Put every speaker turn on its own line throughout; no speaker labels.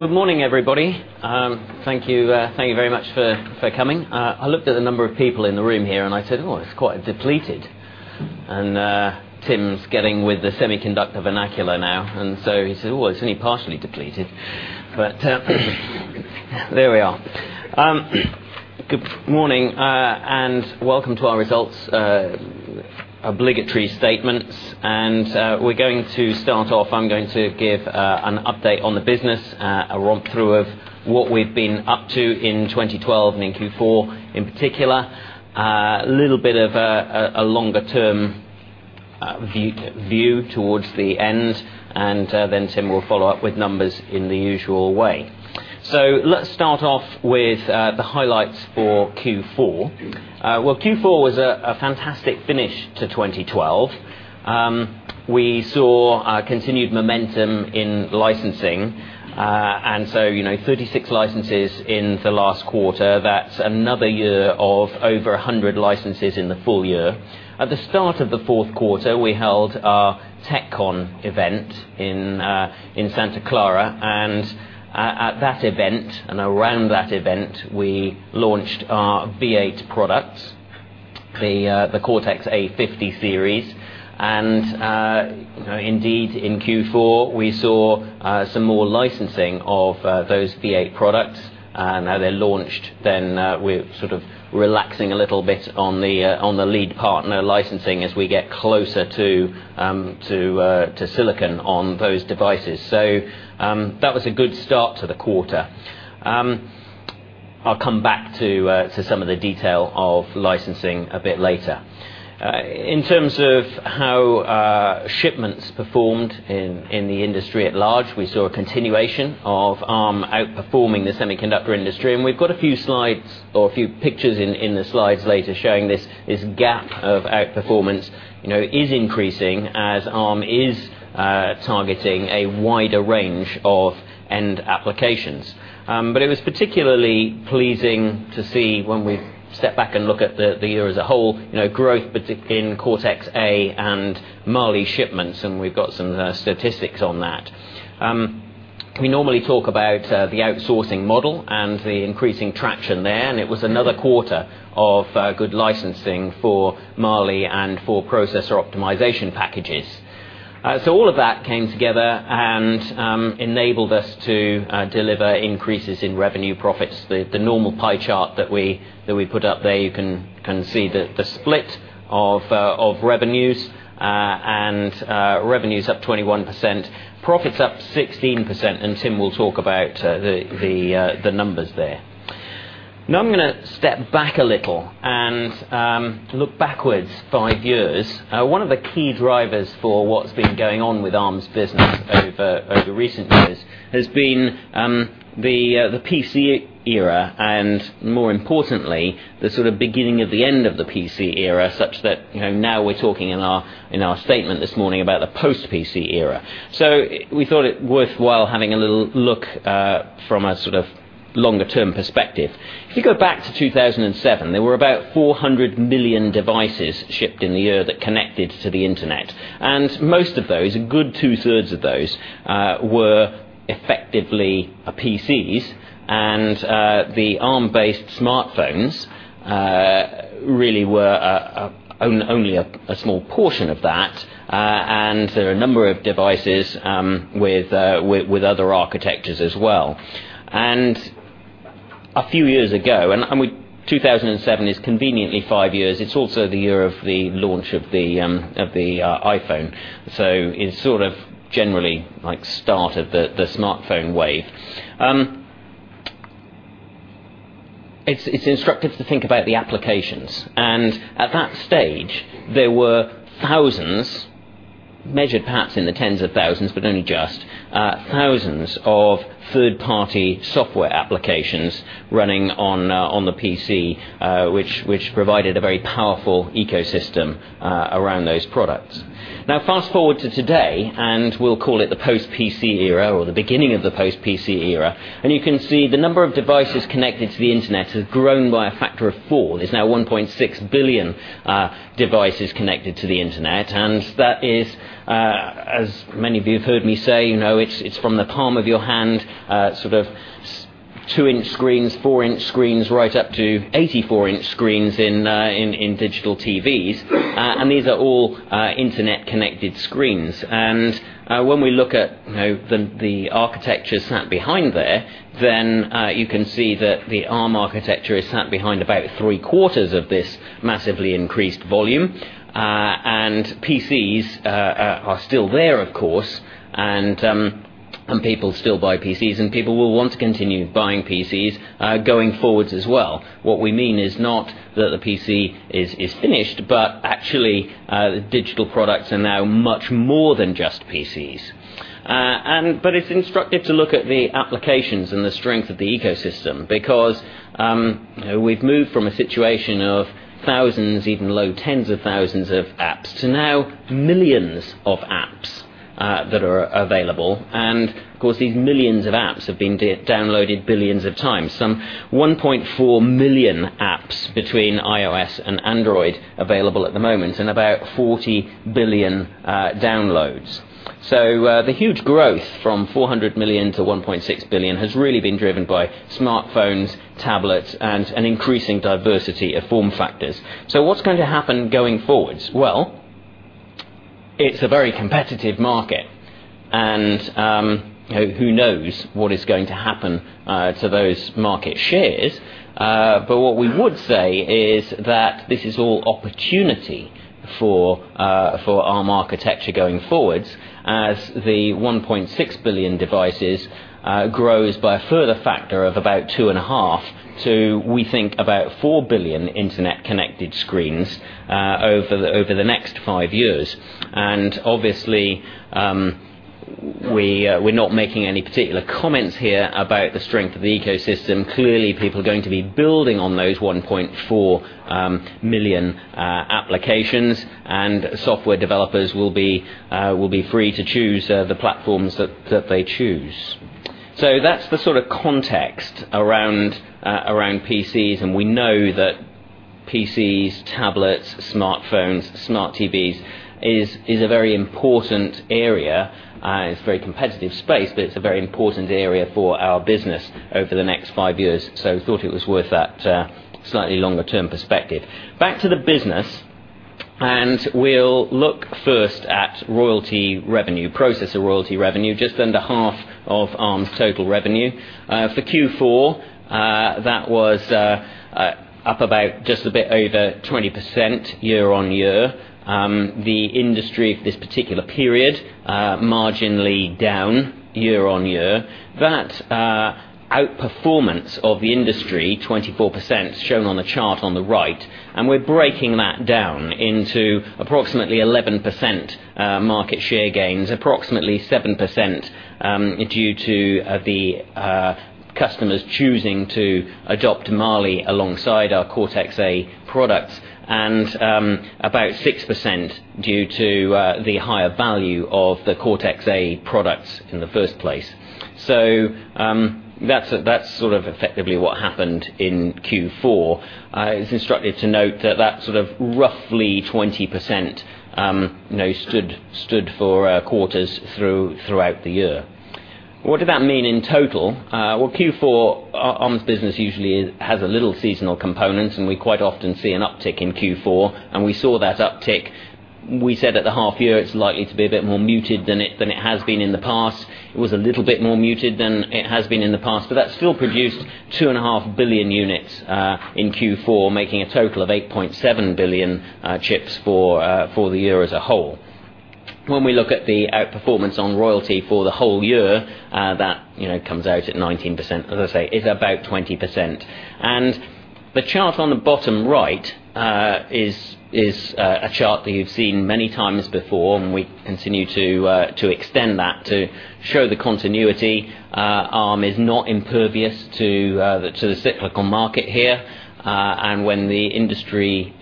Good morning, everybody. Thank you very much for coming. I looked at the number of people in the room here, I said, "Oh, it's quite depleted." Tim's getting with the semiconductor vernacular now, he said, "Well, it's only partially depleted." There we are. Good morning, and welcome to our results obligatory statements. We're going to start off, I'm going to give an update on the business, a romp through of what we've been up to in 2012 and in Q4, in particular. A little bit of a longer-term view towards the end, Tim will follow up with numbers in the usual way. Let's start off with the highlights for Q4. Q4 was a fantastic finish to 2012. We saw a continued momentum in licensing. 36 licenses in the last quarter. That's another year of over 100 licenses in the full year. At the start of the fourth quarter, we held our TechCon event in Santa Clara, at that event, and around that event, we launched our V8 products, the Cortex-A50 series. Indeed in Q4, we saw some more licensing of those V8 products. They're launched, we're sort of relaxing a little bit on the lead partner licensing as we get closer to silicon on those devices. That was a good start to the quarter. I'll come back to some of the detail of licensing a bit later. In terms of how shipments performed in the industry at large, we saw a continuation of Arm outperforming the semiconductor industry. We've got a few slides or a few pictures in the slides later showing this gap of outperformance is increasing as Arm is targeting a wider range of end applications. It was particularly pleasing to see when we step back and look at the year as a whole, growth in Cortex-A and Mali shipments, and we've got some statistics on that. We normally talk about the outsourcing model and the increasing traction there, it was another quarter of good licensing for Mali and for Processor Optimization packages. All of that came together and enabled us to deliver increases in revenue profits. The normal pie chart that we put up there, you can see the split of revenues, revenue's up 21%, profit's up 16%, and Tim will talk about the numbers there. I'm going to step back a little and look backwards five years. One of the key drivers for what's been going on with Arm's business over recent years has been the PC era, and more importantly, the sort of beginning of the end of the PC era, such that now we're talking in our statement this morning about the post-PC era. We thought it worthwhile having a little look from a sort of longer-term perspective. If you go back to 2007, there were about 400 million devices shipped in the year that connected to the internet. Most of those, a good two-thirds of those, were effectively PCs, and the Arm-based smartphones really were only a small portion of that. There are a number of devices with other architectures as well. A few years ago, 2007 is conveniently five years, it's also the year of the launch of the iPhone. It sort of generally started the smartphone wave. It is instructive to think about the applications. At that stage, there were thousands, measured perhaps in the tens of thousands but only just, thousands of third-party software applications running on the PC, which provided a very powerful ecosystem around those products. Fast-forward to today, we will call it the post-PC era or the beginning of the post-PC era, you can see the number of devices connected to the internet has grown by a factor of four. There is now 1.6 billion devices connected to the internet. That is, as many of you have heard me say, it is from the palm of your hand, sort of two-inch screens, four-inch screens, right up to 84-inch screens in digital TVs. These are all internet-connected screens. When we look at the architecture sat behind there, you can see that the Arm architecture is sat behind about three-quarters of this massively increased volume. PCs are still there, of course, people still buy PCs, people will want to continue buying PCs going forwards as well. What we mean is not that the PC is finished, but actually, digital products are now much more than just PCs. It is instructive to look at the applications and the strength of the ecosystem because we have moved from a situation of thousands, even low tens of thousands of apps, to now millions of apps that are available. Of course, these millions of apps have been downloaded billions of times. Some 1.4 million apps between iOS and Android available at the moment, about 40 billion downloads. The huge growth from 400 million to 1.6 billion has really been driven by smartphones, tablets, and an increasing diversity of form factors. What is going to happen going forwards? It is a very competitive market, who knows what is going to happen to those market shares. What we would say is that this is all opportunity for Arm architecture going forwards as the 1.6 billion devices grows by a further factor of about two and a half to, we think, about 4 billion internet-connected screens over the next five years. Obviously, we are not making any particular comments here about the strength of the ecosystem. Clearly, people are going to be building on those 1.4 million applications, software developers will be free to choose the platforms that they choose. That is the sort of context around PCs, we know that PCs, tablets, smartphones, smart TVs, is a very important area. It is a very competitive space, it is a very important area for our business over the next five years, thought it was worth that slightly longer term perspective. Back to the business, we will look first at royalty revenue, processor royalty revenue, just under half of Arm's total revenue. For Q4, that was up about just a bit over 20% year-on-year. The industry for this particular period, marginally down year-on-year. That outperformance of the industry, 24%, shown on the chart on the right. We're breaking that down into approximately 11% market share gains, approximately 7% due to the customers choosing to adopt Mali alongside our Cortex-A products, and about 6% due to the higher value of the Cortex-A products in the first place. That's effectively what happened in Q4. It's instructed to note that that sort of roughly 20% stood for quarters throughout the year. What did that mean in total? Q4, Arm's business usually has a little seasonal component, and we quite often see an uptick in Q4. We saw that uptick, we said at the half year it's likely to be a bit more muted than it has been in the past. It was a little bit more muted than it has been in the past, but that still produced two and a half billion units in Q4, making a total of 8.7 billion chips for the year as a whole. When we look at the outperformance on royalty for the whole year, that comes out at 19%. As I say, it's about 20%. The chart on the bottom right is a chart that you've seen many times before, and we continue to extend that to show the continuity. Arm is not impervious to the cyclical market here. When the industry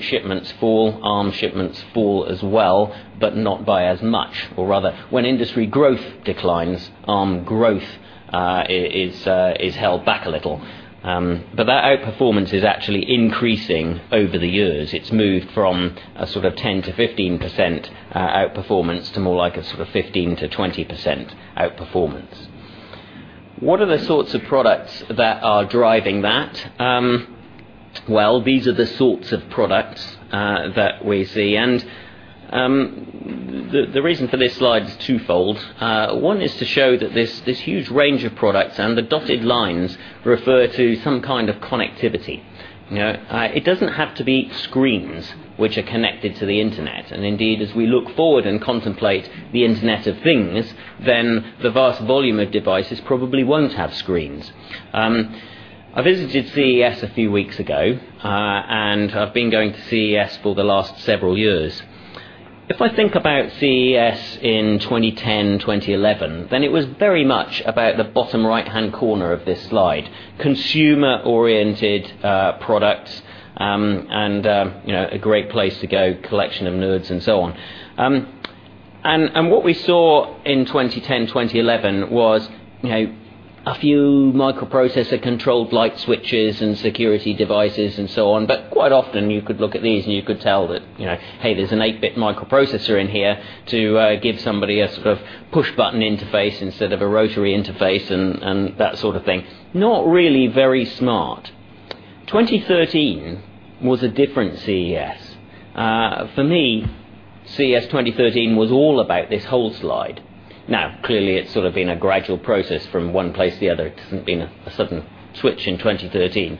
shipments fall, Arm shipments fall as well, but not by as much. Rather, when industry growth declines, Arm growth is held back a little. That outperformance is actually increasing over the years. It's moved from a sort of 10%-15% outperformance to more like a sort of 15%-20% outperformance. What are the sorts of products that are driving that? These are the sorts of products that we see. The reason for this slide is twofold. One is to show that this huge range of products, the dotted lines refer to some kind of connectivity. It doesn't have to be screens which are connected to the internet. Indeed, as we look forward and contemplate the Internet of Things, then the vast volume of devices probably won't have screens. I visited CES a few weeks ago, and I've been going to CES for the last several years. If I think about CES in 2010, 2011, then it was very much about the bottom right-hand corner of this slide. Consumer-oriented products, a great place to go, collection of nerds, and so on. What we saw in 2010, 2011 was a few microprocessor controlled light switches and security devices and so on. Quite often you could look at these and you could tell that, "Hey, there's an eight-bit microprocessor in here" to give somebody a sort of push button interface instead of a rotary interface and that sort of thing. Not really very smart. 2013 was a different CES. For me, CES 2013 was all about this whole slide. Clearly, it's sort of been a gradual process from one place to the other. It hasn't been a sudden switch in 2013.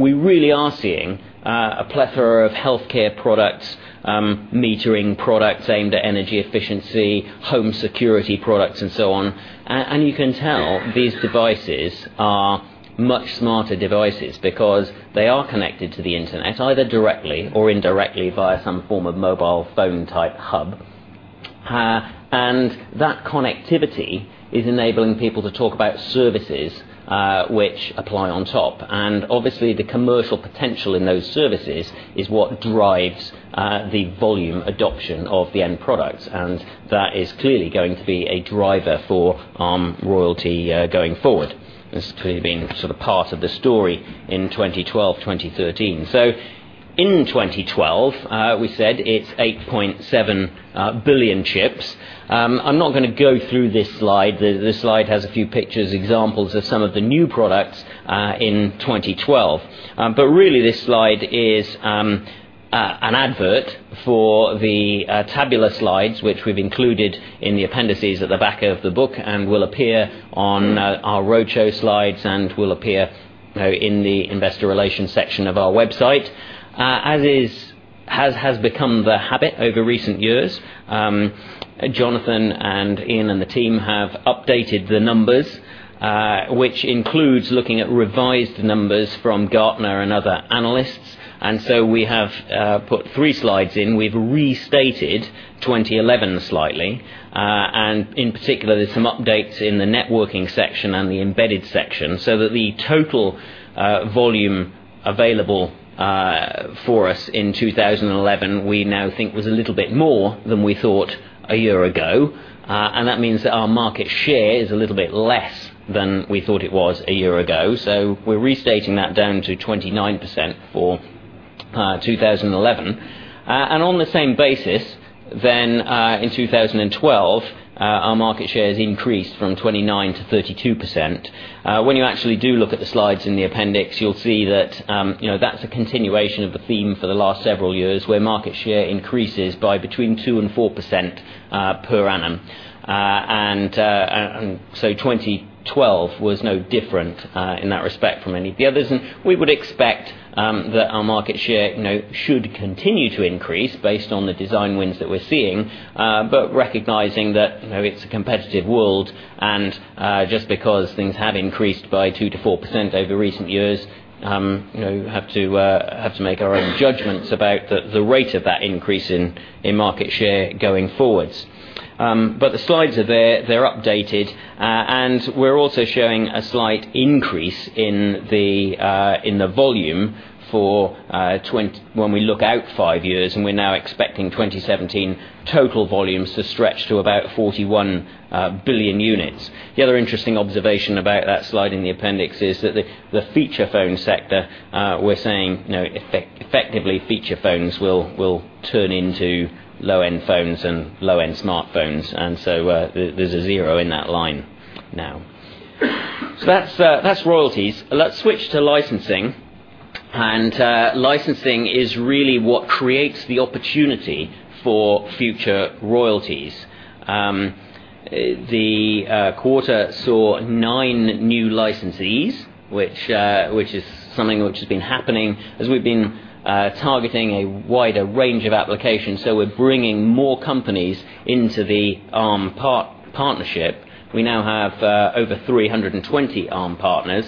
We really are seeing a plethora of healthcare products, metering products aimed at energy efficiency, home security products, and so on. You can tell these devices are much smarter devices because they are connected to the internet, either directly or indirectly via some form of mobile phone type hub. That connectivity is enabling people to talk about services which apply on top. Obviously, the commercial potential in those services is what drives the volume adoption of the end product. That is clearly going to be a driver for Arm royalty going forward. It has clearly been sort of part of the story in 2012, 2013. In 2012, we said it is 8.7 billion chips. I am not going to go through this slide. This slide has a few pictures, examples of some of the new products in 2012. Really this slide is an advert for the tabular slides which we have included in the appendices at the back of the book and will appear on our roadshow slides and will appear in the investor relations section of our website. As has become the habit over recent years, Jonathan and Ian, and the team have updated the numbers, which includes looking at revised numbers from Gartner and other analysts. We have put three slides in. We have restated 2011 slightly. In particular, there is some updates in the networking section and the embedded section, so that the total volume available for us in 2011, we now think was a little bit more than we thought a year ago. That means that our market share is a little bit less than we thought it was a year ago. We are restating that down to 29% for 2011. On the same basis, in 2012, our market share has increased from 29% to 32%. When you actually do look at the slides in the appendix, you will see that is a continuation of the theme for the last several years, where market share increases by between 2% and 4% per annum. 2012 was no different in that respect from any of the others. We would expect that our market share should continue to increase based on the design wins that we are seeing, but recognizing that it is a competitive world, and just because things have increased by 2% to 4% over recent years, we have to make our own judgments about the rate of that increase in market share going forwards. The slides are there. They are updated. We are also showing a slight increase in the volume when we look out five years, and we are now expecting 2017 total volumes to stretch to about 41 billion units. The other interesting observation about that slide in the appendix is that the feature phone sector, we are saying effectively feature phones will turn into low-end phones and low-end smartphones. There is a zero in that line now. That is royalties. Let us switch to licensing. Licensing is really what creates the opportunity for future royalties. The quarter saw nine new licensees, which is something which has been happening as we have been targeting a wider range of applications. We are bringing more companies into the Arm partnership. We now have over 320 Arm partners.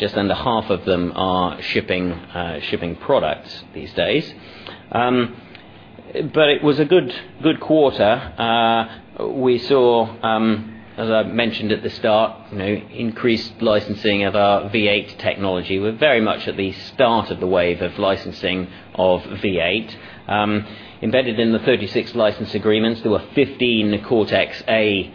Just under half of them are shipping products these days. It was a good quarter. We saw, as I mentioned at the start, increased licensing of our V8 technology. We're very much at the start of the wave of licensing of V8. Embedded in the 36 license agreements, there were 15 Cortex-A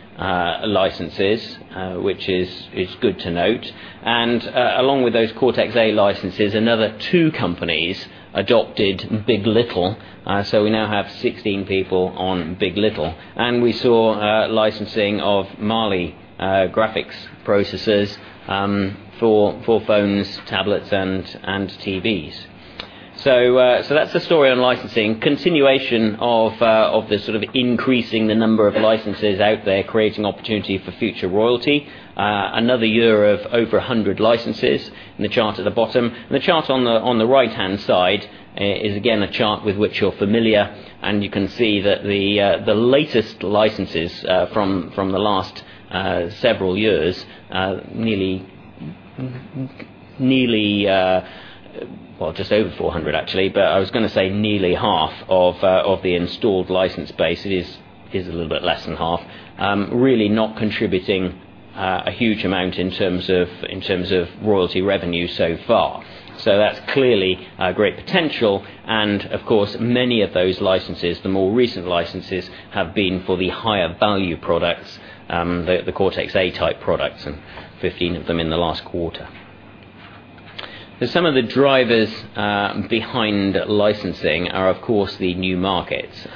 licenses, which is good to note. Along with those Cortex-A licenses, another two companies adopted big. LITTLE. We now have 16 people on big. LITTLE. We saw licensing of Mali graphics processors for phones, tablets, and TVs. That's the story on licensing. Continuation of this sort of increasing the number of licenses out there creating opportunity for future royalty. Another year of over 100 licenses in the chart at the bottom. The chart on the right-hand side is again a chart with which you're familiar. You can see that the latest licenses from the last several years are just over 400, actually, but I was going to say nearly half of the installed license base. It is a little bit less than half. Really not contributing a huge amount in terms of royalty revenue so far. That's clearly a great potential, and of course, many of those licenses, the more recent licenses, have been for the higher value products, the Cortex-A type products, and 15 of them in the last quarter. Some of the drivers behind licensing are, of course, the new markets.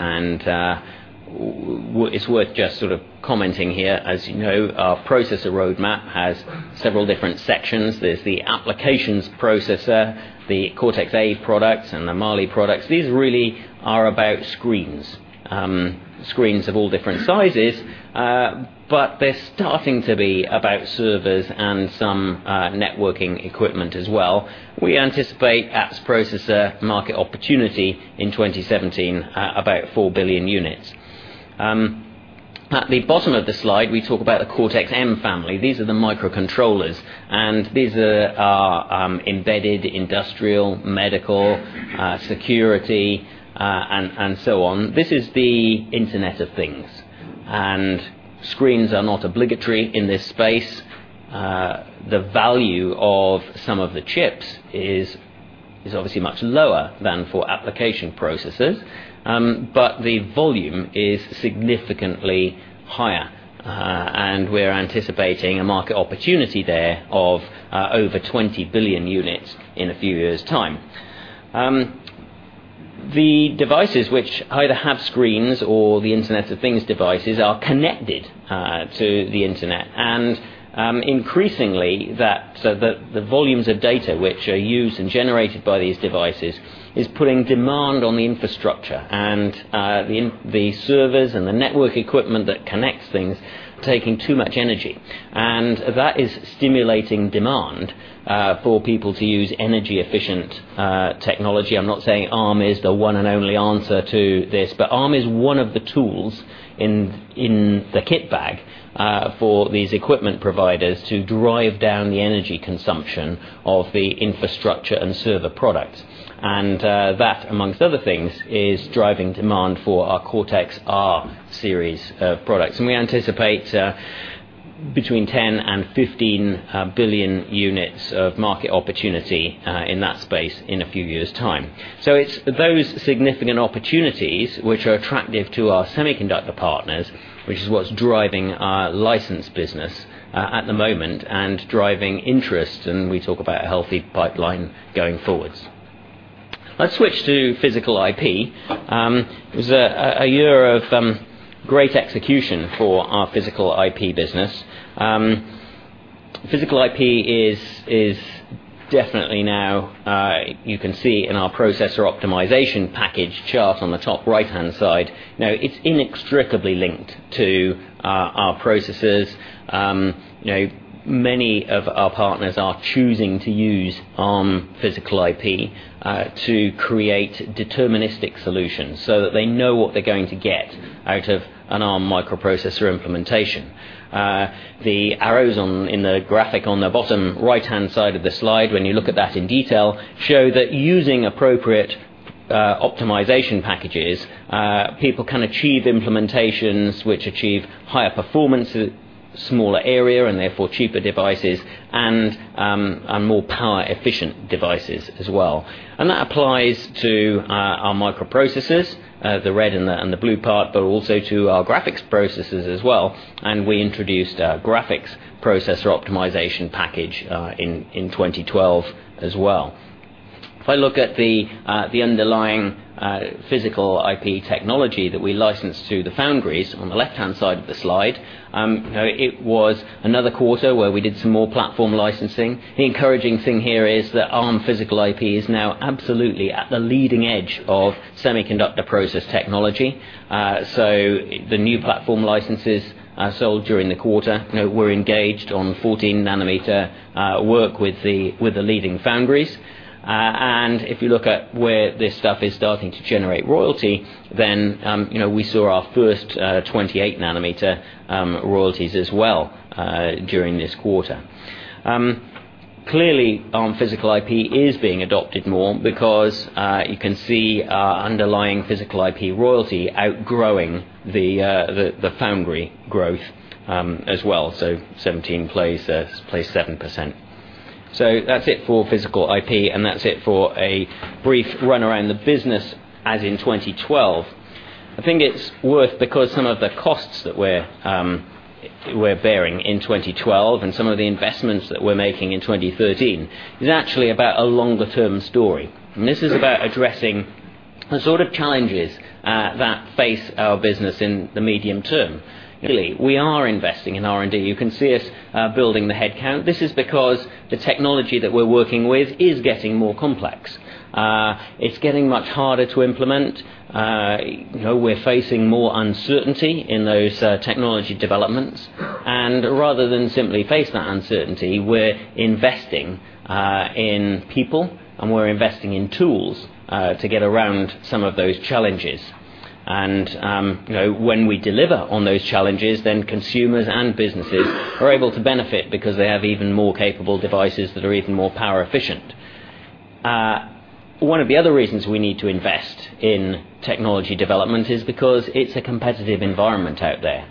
It's worth just sort of commenting here. As you know, our processor roadmap has several different sections. There's the applications processor, the Cortex-A products, and the Mali products. These really are about screens. Screens of all different sizes, they're starting to be about servers and some networking equipment as well. We anticipate apps processor market opportunity in 2017 about 4 billion units. At the bottom of the slide, we talk about the Cortex-M family. These are the microcontrollers, and these are embedded industrial, medical, security, and so on. This is the Internet of Things. Screens are not obligatory in this space. The value of some of the chips is obviously much lower than for application processors. The volume is significantly higher. We're anticipating a market opportunity there of over 20 billion units in a few years' time. The devices which either have screens or the Internet of Things devices are connected to the internet. Increasingly, the volumes of data which are used and generated by these devices is putting demand on the infrastructure. The servers and the network equipment that connects things are taking too much energy. That is stimulating demand for people to use energy efficient technology. I'm not saying Arm is the one and only answer to this, but Arm is one of the tools in the kit bag for these equipment providers to drive down the energy consumption of the infrastructure and server products. That, amongst other things, is driving demand for our Cortex-R series of products. We anticipate between 10 and 15 billion units of market opportunity in that space in a few years' time. It's those significant opportunities which are attractive to our semiconductor partners, which is what's driving our license business at the moment and driving interest, and we talk about a healthy pipeline going forwards. Let's switch to physical IP. It was a year of great execution for our physical IP business. Physical IP is definitely now, you can see in our Processor Optimization Pack chart on the top right-hand side. Now, it's inextricably linked to our processors. Many of our partners are choosing to use Arm physical IP to create deterministic solutions so that they know what they're going to get out of an Arm microprocessor implementation. The arrows in the graphic on the bottom right-hand side of the slide, when you look at that in detail, show that using appropriate optimization packages people can achieve implementations which achieve higher performance in smaller area and therefore cheaper devices, and more power efficient devices as well. That applies to our microprocessors, the red and the blue part, but also to our graphics processors as well. We introduced a graphics processor optimization package in 2012 as well. If I look at the underlying physical IP technology that we licensed to the foundries on the left-hand side of the slide, it was another quarter where we did some more platform licensing. The encouraging thing here is that Arm physical IP is now absolutely at the leading edge of semiconductor process technology. The new platform licenses sold during the quarter were engaged on 14 nanometer work with the leading foundries. If you look at where this stuff is starting to generate royalty, then we saw our first 28 nanometer royalties as well during this quarter. Clearly, Arm physical IP is being adopted more because you can see our underlying physical IP royalty outgrowing the foundry growth as well. 17% plays 7%. That's it for physical IP, and that's it for a brief run around the business as in 2012. I think it's worth because some of the costs that we're bearing in 2012 and some of the investments that we're making in 2013 is actually about a longer term story. This is about addressing the sort of challenges that face our business in the medium term. Really, we are investing in R&D. You can see us building the headcount. This is because the technology that we're working with is getting more complex. It's getting much harder to implement. We're facing more uncertainty in those technology developments. Rather than simply face that uncertainty, we're investing in people, and we're investing in tools to get around some of those challenges. When we deliver on those challenges, then consumers and businesses are able to benefit because they have even more capable devices that are even more power efficient. One of the other reasons we need to invest in technology development is because it's a competitive environment out there.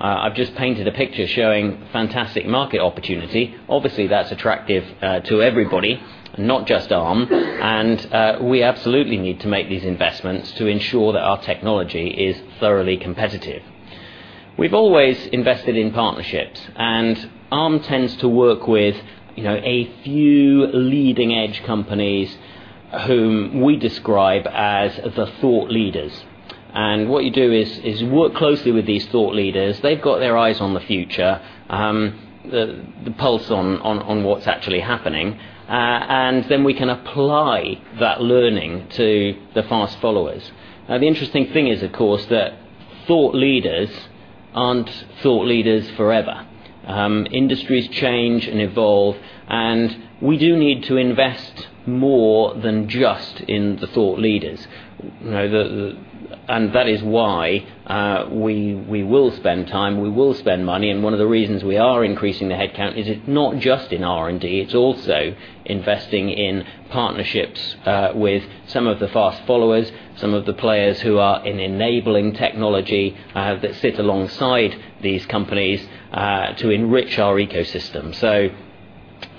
I've just painted a picture showing fantastic market opportunity. Obviously, that's attractive to everybody, not just Arm. We absolutely need to make these investments to ensure that our technology is thoroughly competitive. We've always invested in partnerships. Arm tends to work with a few leading edge companies whom we describe as the thought leaders. What you do is work closely with these thought leaders. They've got their eyes on the future, the pulse on what's actually happening. Then we can apply that learning to the fast followers. Now, the interesting thing is, of course, that thought leaders aren't thought leaders forever. Industries change and evolve, we do need to invest more than just in the thought leaders. That is why we will spend time, we will spend money, and one of the reasons we are increasing the headcount is not just in R&D, it's also investing in partnerships with some of the fast followers, some of the players who are in enabling technology that sit alongside these companies to enrich our ecosystem.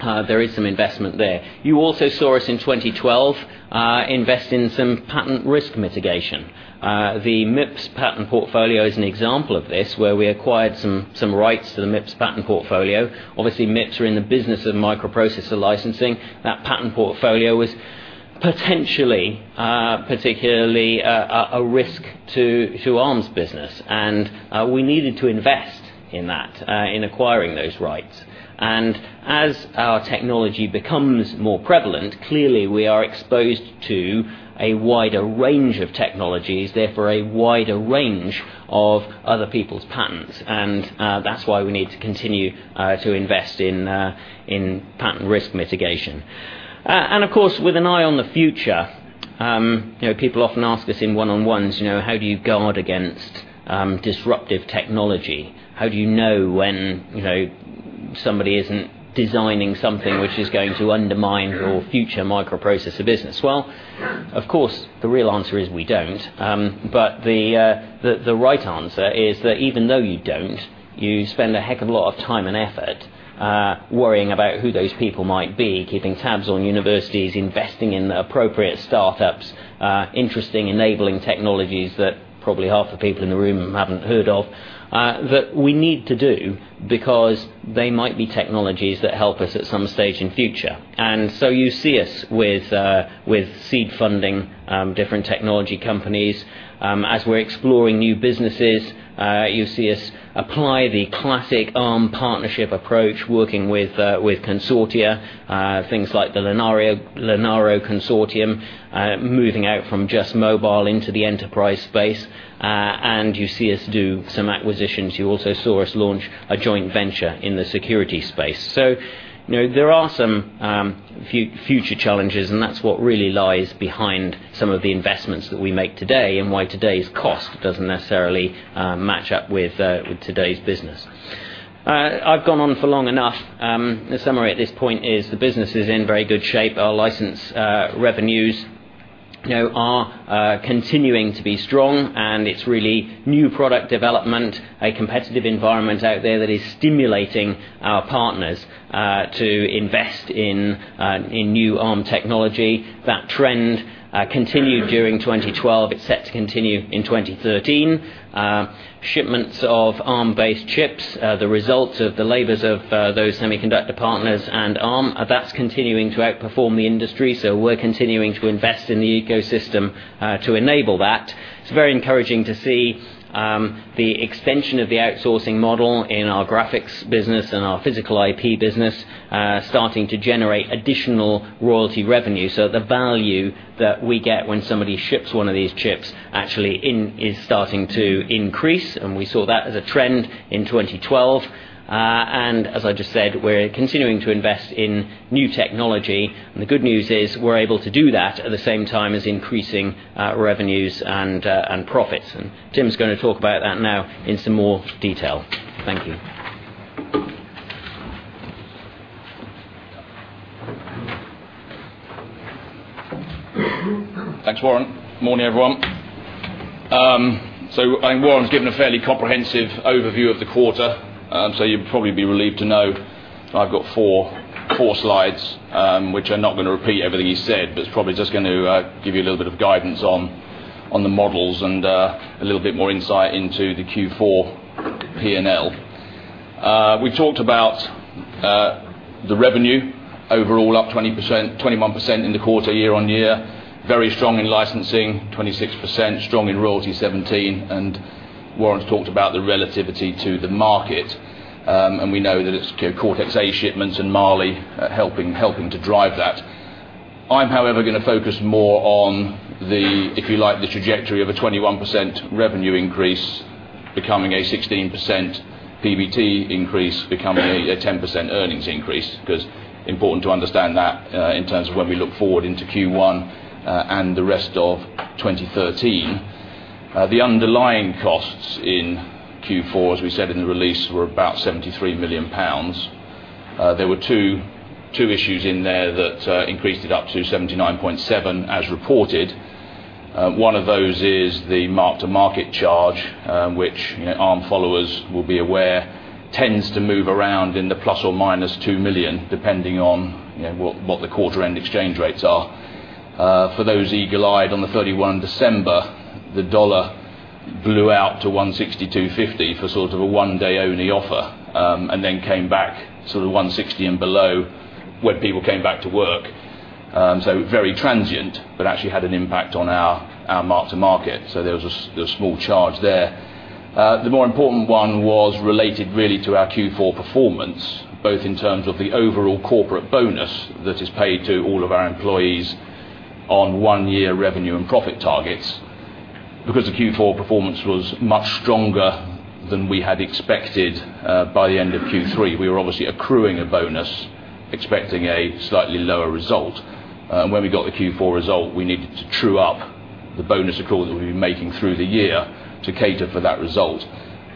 There is some investment there. You also saw us in 2012 invest in some patent risk mitigation. The MIPS patent portfolio is an example of this, where we acquired some rights to the MIPS patent portfolio. Obviously, MIPS are in the business of microprocessor licensing. That patent portfolio was potentially, particularly a risk to Arm's business. We needed to invest in that, in acquiring those rights. As our technology becomes more prevalent, clearly we are exposed to a wider range of technologies, therefore a wider range of other people's patents. That's why we need to continue to invest in patent risk mitigation. Of course, with an eye on the future, people often ask us in one-on-ones, "How do you guard against disruptive technology? How do you know when somebody isn't designing something which is going to undermine your future microprocessor business?" Of course, the real answer is we don't. The right answer is that even though you don't, you spend a heck of a lot of time and effort worrying about who those people might be, keeping tabs on universities, investing in the appropriate startups, interesting enabling technologies that probably half the people in the room haven't heard of. That we need to do because they might be technologies that help us at some stage in future. You see us with seed funding different technology companies. As we're exploring new businesses, you see us apply the classic Arm partnership approach, working with consortia. Things like the Linaro consortium, moving out from just mobile into the enterprise space. You see us do some acquisitions. You also saw us launch a joint venture in the security space. There are some future challenges, and that's what really lies behind some of the investments that we make today and why today's cost doesn't necessarily match up with today's business. I've gone on for long enough. The summary at this point is the business is in very good shape. Our license revenues are continuing to be strong, and it's really new product development, a competitive environment out there that is stimulating our partners to invest in new Arm technology. That trend continued during 2012. It's set to continue in 2013. Shipments of Arm-based chips, the results of the labors of those semiconductor partners and Arm, that's continuing to outperform the industry, so we're continuing to invest in the ecosystem to enable that. It's very encouraging to see the extension of the outsourcing model in our graphics business and our physical IP business starting to generate additional royalty revenue. The value that we get when somebody ships one of these chips actually is starting to increase, and we saw that as a trend in 2012. As I just said, we're continuing to invest in new technology. The good news is we're able to do that at the same time as increasing our revenues and profits. Tim's going to talk about that now in some more detail. Thank you.
Thanks, Warren. Morning, everyone. I think Warren's given a fairly comprehensive overview of the quarter, you'd probably be relieved to know I've got four slides which are not going to repeat everything he said, but it's probably just going to give you a little bit of guidance on the models and a little bit more insight into the Q4 P&L. We've talked about the revenue overall up 21% in the quarter, year-over-year. Very strong in licensing, 26%. Strong in royalty, 17%, Warren's talked about the relativity to the market. We know that it's Cortex-A shipments and Mali helping to drive that. I'm however, going to focus more on the, if you like, the trajectory of a 21% revenue increase becoming a 16% PBT increase, becoming a 10% earnings increase, because important to understand that in terms of when we look forward into Q1 and the rest of 2013. The underlying costs in Q4, as we said in the release, were about 73 million pounds. There were two issues in there that increased it up to 79.7 million as reported. One of those is the mark-to-market charge, which Arm followers will be aware, tends to move around in the ±2 million, depending on what the quarter end exchange rates are. For those eagle-eyed on December 31, the dollar blew out to 162.50 for sort of a one day only offer, then came back to the 160 and below when people came back to work. Very transient, but actually had an impact on our mark-to-market. There was a small charge there. The more important one was related really to our Q4 performance, both in terms of the overall corporate bonus that is paid to all of our employees on one year revenue and profit targets. Because the Q4 performance was much stronger than we had expected by the end of Q3. We were obviously accruing a bonus, expecting a slightly lower result. When we got the Q4 result, we needed to true up the bonus accrual that we've been making through the year to cater for that result.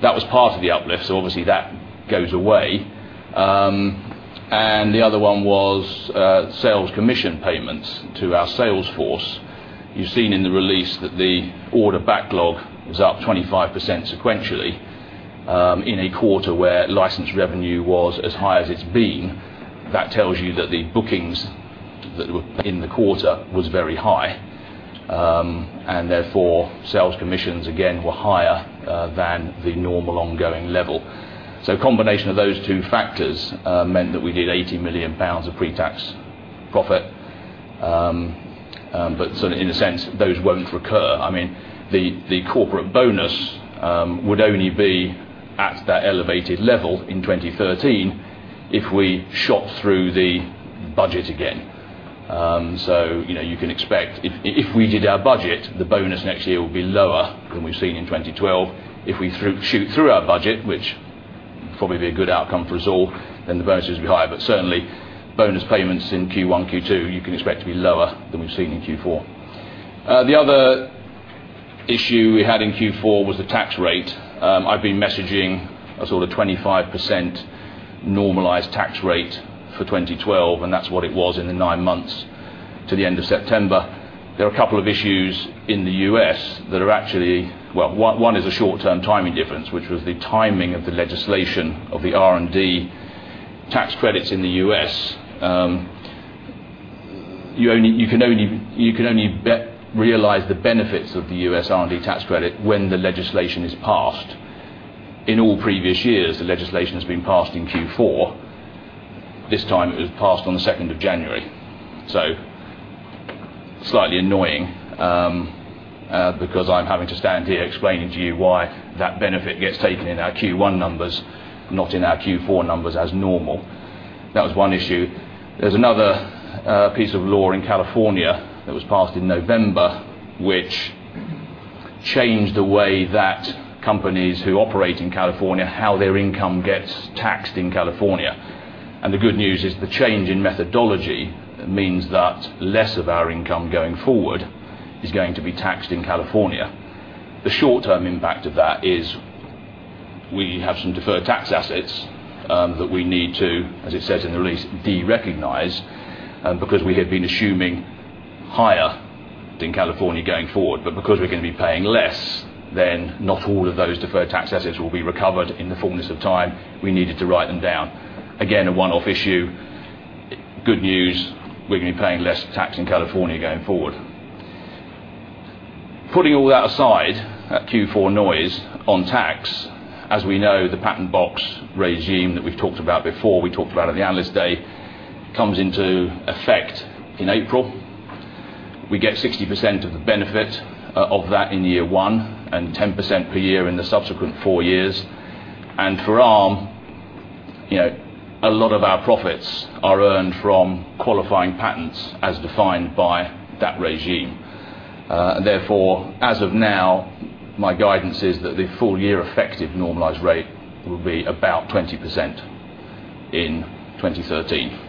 That was part of the uplift, obviously that goes away. The other one was sales commission payments to our sales force. You've seen in the release that the order backlog was up 25% sequentially, in a quarter where licensed revenue was as high as it's been. That tells you that the bookings that were in the quarter was very high. Therefore, sales commissions again were higher than the normal ongoing level. A combination of those two factors meant that we did 80 million pounds of pre-tax profit. In a sense, those won't recur. The corporate bonus would only be at that elevated level in 2013 if we shot through the budget again. You can expect if we did our budget, the bonus next year will be lower than we've seen in 2012. If we shoot through our budget, which probably would be a good outcome for us all, the bonuses will be higher. Certainly, bonus payments in Q1, Q2, you can expect to be lower than we've seen in Q4. The other issue we had in Q4 was the tax rate. I've been messaging a sort of 25% normalized tax rate for 2012, and that's what it was in the nine months to the end of September. There are a couple of issues in the U.S. One is a short-term timing difference, which was the timing of the legislation of the R&D tax credits in the U.S. You can only realize the benefits of the U.S. R&D tax credit when the legislation is passed. In all previous years, the legislation has been passed in Q4. This time it was passed on the 2nd of January. Slightly annoying because I'm having to stand here explaining to you why that benefit gets taken in our Q1 numbers, not in our Q4 numbers as normal. That was one issue. There's another piece of law in California that was passed in November, which changed the way that companies who operate in California, how their income gets taxed in California. The good news is the change in methodology means that less of our income going forward is going to be taxed in California. The short-term impact of that is we have some deferred tax assets that we need to, as it says in the release, de-recognize because we had been assuming higher in California going forward. Because we're going to be paying less, not all of those deferred tax assets will be recovered in the fullness of time. We needed to write them down. Again, a one-off issue. Good news, we're going to be paying less tax in California going forward. Putting all that aside, that Q4 noise on tax, as we know, the Patent Box regime that we've talked about before, we talked about at the Analyst Day, comes into effect in April. We get 60% of the benefit of that in year one and 10% per year in the subsequent four years. For Arm, a lot of our profits are earned from qualifying patents as defined by that regime. Therefore, as of now, my guidance is that the full year effective normalized rate will be about 20% in 2013.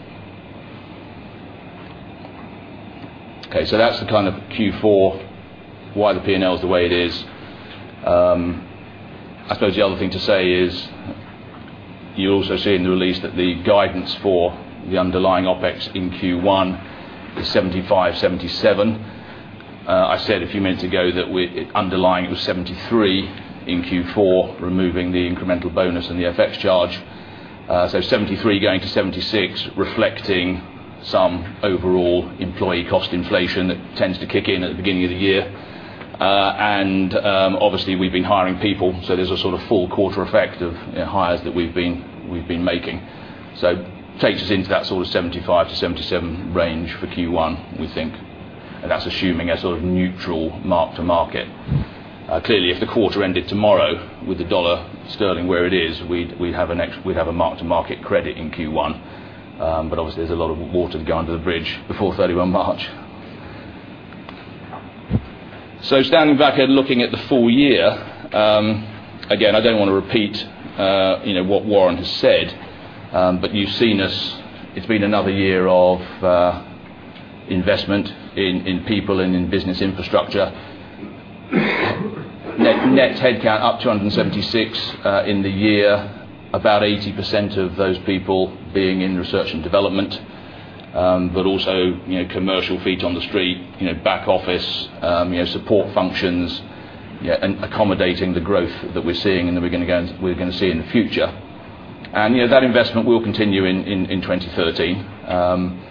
That's the kind of Q4, why the P&L is the way it is. I suppose the other thing to say is you also see in the release that the guidance for the underlying OpEx in Q1 is $75 million, $77 million I said a few minutes ago that underlying it was 73 in Q4, removing the incremental bonus and the FX charge. 73 going to 76, reflecting some overall employee cost inflation that tends to kick in at the beginning of the year. Obviously, we've been hiring people, so there's a sort of full quarter effect of hires that we've been making. Takes us into that sort of 75-77 range for Q1, we think. That's assuming a sort of neutral mark-to-market. Clearly, if the quarter ended tomorrow with the dollar sterling where it is, we'd have a mark-to-market credit in Q1. Obviously, there's a lot of water to go under the bridge before 31 March. Standing back and looking at the full year, again, I don't want to repeat what Warren has said but it's been another year of investment in people and in business infrastructure. Net headcount up 276 in the year, about 80% of those people being in research and development but also commercial feet on the street, back office, support functions, accommodating the growth that we're seeing and that we're going to see in the future. That investment will continue in 2013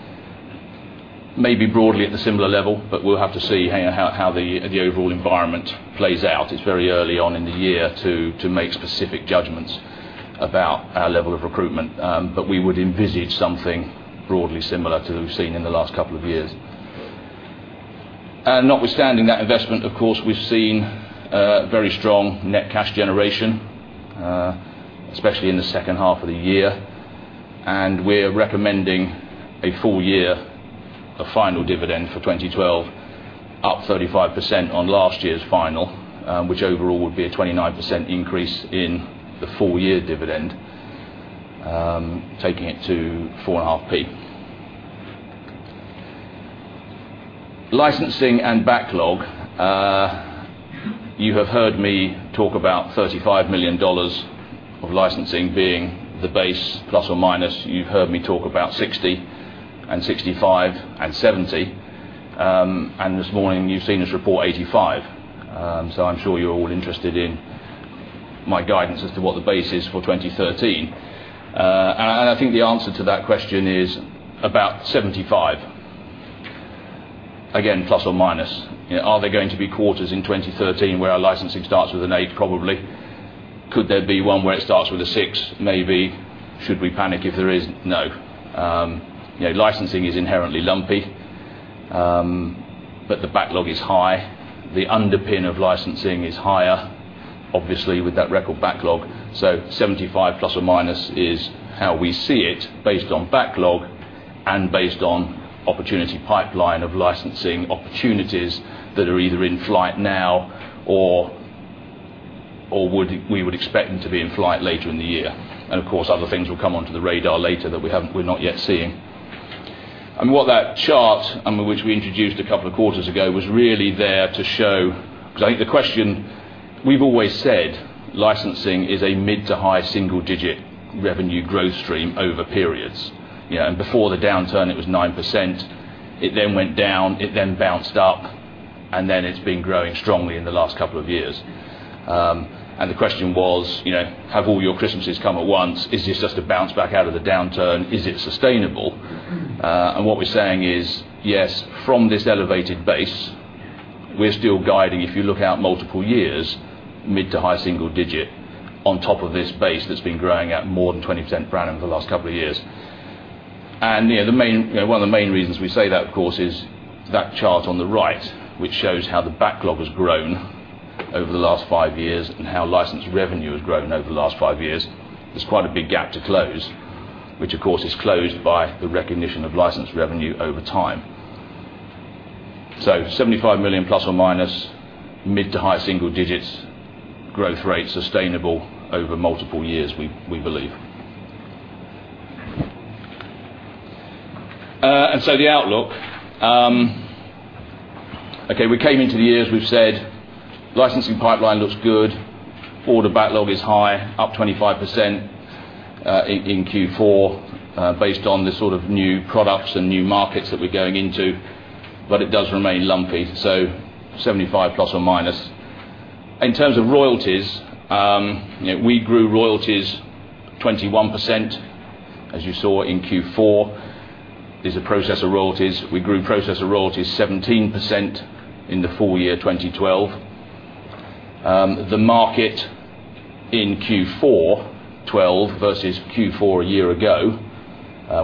maybe broadly at the similar level, we'll have to see how the overall environment plays out. It's very early on in the year to make specific judgments about our level of recruitment. We would envisage something broadly similar to what we've seen in the last couple of years. Notwithstanding that investment, of course, we've seen very strong net cash generation, especially in the second half of the year. We're recommending a full year of final dividend for 2012, up 35% on last year's final, which overall would be a 29% increase in the full year dividend, taking it to 0.045. Licensing and backlog. You have heard me talk about $35 million of licensing being the base plus or minus. You've heard me talk about $60 million and $65 million and $70 million. This morning you've seen us report $85 million. I'm sure you're all interested in my guidance as to what the base is for 2013. I think the answer to that question is about $75 million. Again, ±. Are there going to be quarters in 2013 where our licensing starts with an eight? Probably. Could there be one where it starts with a six? Maybe. Should we panic if there is? No. Licensing is inherently lumpy, the backlog is high. The underpin of licensing is higher, obviously, with that record backlog. $75 million ± is how we see it based on backlog and based on opportunity pipeline of licensing opportunities that are either in flight now or we would expect them to be in flight later in the year. Of course, other things will come onto the radar later that we're not yet seeing. What that chart, which we introduced a couple of quarters ago, was really there to show because I think the question. We've always said licensing is a mid to high single-digit revenue growth stream over periods. Before the downturn, it was 9%. It then went down, it then bounced up, it's been growing strongly in the last couple of years. The question was, have all your Christmases come at once? Is this just a bounce back out of the downturn? Is it sustainable? What we're saying is, yes, from this elevated base, we're still guiding, if you look out multiple years, mid to high single-digit on top of this base that's been growing at more than 20% run rate for the last couple of years. One of the main reasons we say that, of course, is that chart on the right, which shows how the backlog has grown over the last five years and how licensed revenue has grown over the last five years. There's quite a big gap to close, which of course is closed by the recognition of license revenue over time. $75 million ± mid to high single-digit growth rate sustainable over multiple years, we believe. The outlook. We came into the year as we have said, licensing pipeline looks good. Order backlog is high, up 25% in Q4 based on the sort of new products and new markets that we are going into, but it does remain lumpy. $75 million ±. In terms of royalties, we grew royalties 21%, as you saw in Q4. These are processor royalties. We grew processor royalties 17% in the full year 2012. The market in Q4 2012 versus Q4 a year ago,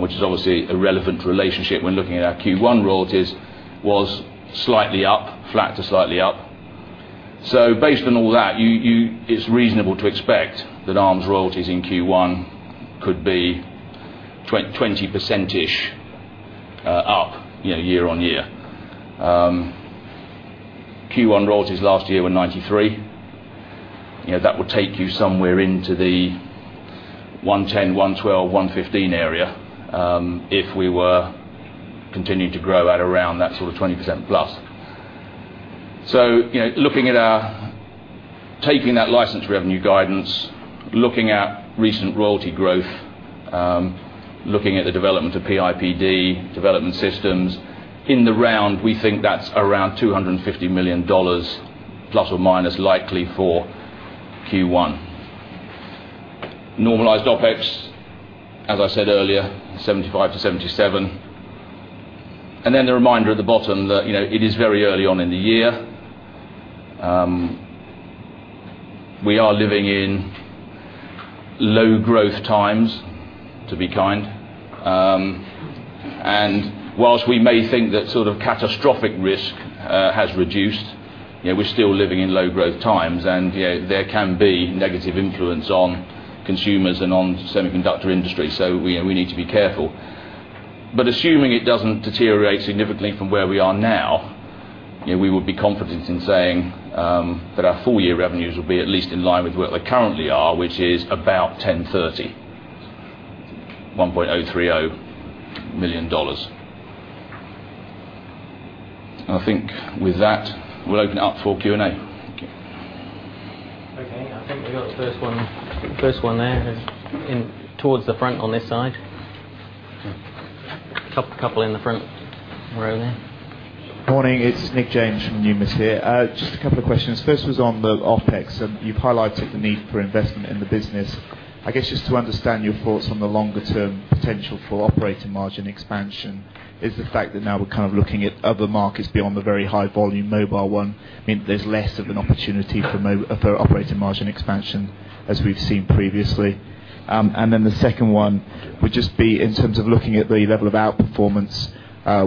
which is obviously a relevant relationship when looking at our Q1 royalties, was slightly up, flat to slightly up. Based on all that, it is reasonable to expect that Arm's royalties in Q1 could be 20%ish up year-on-year. Q1 royalties last year were $93 million. That would take you somewhere into the $110 million, $112 million, $115 million area if we were continuing to grow at around that sort of 20% plus. Taking that license revenue guidance, looking at recent royalty growth, looking at the development of PIPD, development systems, in the round, we think that is around $250 million ± likely for Q1. Normalized OpEx, as I said earlier, $75 million to $77 million. The reminder at the bottom that it is very early on in the year. We are living in low growth times, to be kind. Whilst we may think that sort of catastrophic risk has reduced, we are still living in low growth times. There can be negative influence on consumers and on the semiconductor industry. We need to be careful. Assuming it doesn't deteriorate significantly from where we are now, we would be confident in saying that our full-year revenues will be at least in line with where they currently are, which is about $1.030 million. I think with that, we will open it up for Q&A. Thank you.
Okay. I think we got the first one there who's towards the front on this side. Couple in the front row there.
Morning. It's Nick James from Numis here. Just two questions. First was on the OpEx. You've highlighted the need for investment in the business. I guess just to understand your thoughts on the longer-term potential for operating margin expansion. Is the fact that now we're kind of looking at other markets beyond the very high volume mobile one, mean there's less of an opportunity for operating margin expansion as we've seen previously? The second one would just be in terms of looking at the level of outperformance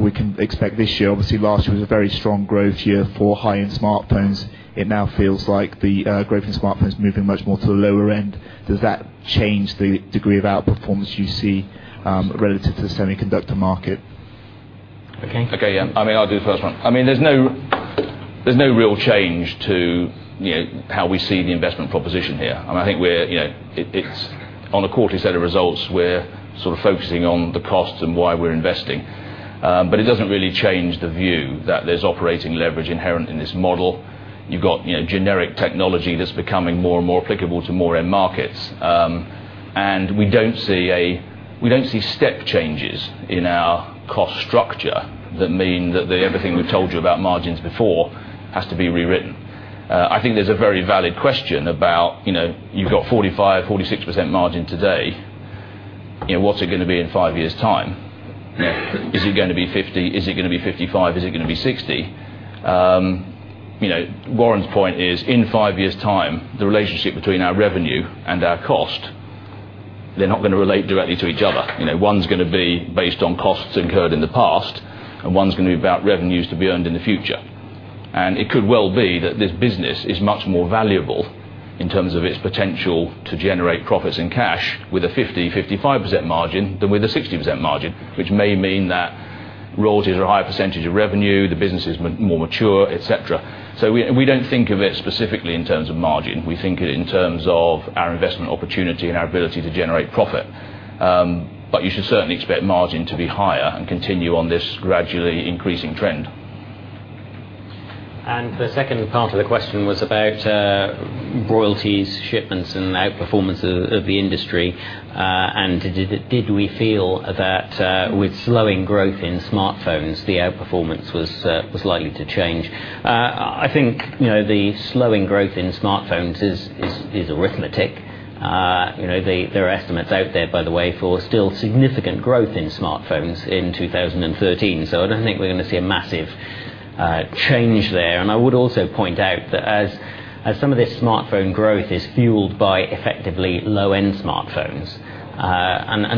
we can expect this year. Obviously, last year was a very strong growth year for high-end smartphones. It now feels like the growth in smartphones is moving much more to the lower end. Does that change the degree of outperformance you see relative to the semiconductor market?
Okay. I'll do the first one. There's no real change to how we see the investment proposition here. I think on a quarterly set of results, we're sort of focusing on the costs and why we're investing. It doesn't really change the view that there's operating leverage inherent in this model. You've got generic technology that's becoming more and more applicable to more end markets. We don't see step changes in our cost structure that mean that everything we've told you about margins before has to be rewritten. I think there's a very valid question about, you've got 45%-46% margin today, what's it going to be in five years' time? Is it going to be 50? Is it going to be 55? Is it going to be 60? Warren's point is, in five years' time, the relationship between our revenue and our cost, they're not going to relate directly to each other. One's going to be based on costs incurred in the past, and one's going to be about revenues to be earned in the future. It could well be that this business is much more valuable in terms of its potential to generate profits in cash with a 50%-55% margin than with a 60% margin, which may mean that royalties are a higher percentage of revenue, the business is more mature, et cetera. We don't think of it specifically in terms of margin. We think it in terms of our investment opportunity and our ability to generate profit. You should certainly expect margin to be higher and continue on this gradually increasing trend.
The second part of the question was about royalties, shipments, and outperformance of the industry. Did we feel that with slowing growth in smartphones, the outperformance was likely to change? I think, the slowing growth in smartphones is arithmetic. There are estimates out there, by the way, for still significant growth in smartphones in 2013. I don't think we're going to see a massive change there. I would also point out that as some of this smartphone growth is fueled by effectively low-end smartphones.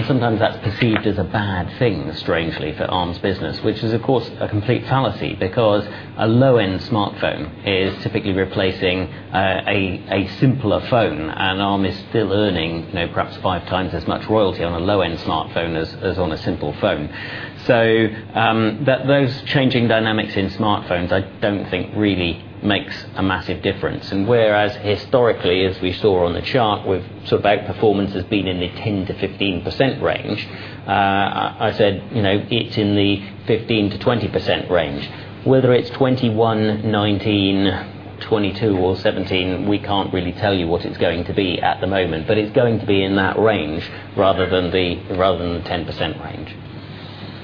Sometimes that's perceived as a bad thing, strangely, for Arm's business, which is of course a complete fallacy because a low-end smartphone is typically replacing a simpler phone. Arm is still earning perhaps five times as much royalty on a low-end smartphone as on a simple phone. Those changing dynamics in smartphones, I don't think really makes a massive difference. Whereas historically, as we saw on the chart, the outperformance has been in the 10%-15% range. I said, it's in the 15%-20% range. Whether it's 21, 19, 22, or 17, we can't really tell you what it's going to be at the moment. It's going to be in that range rather than the 10% range.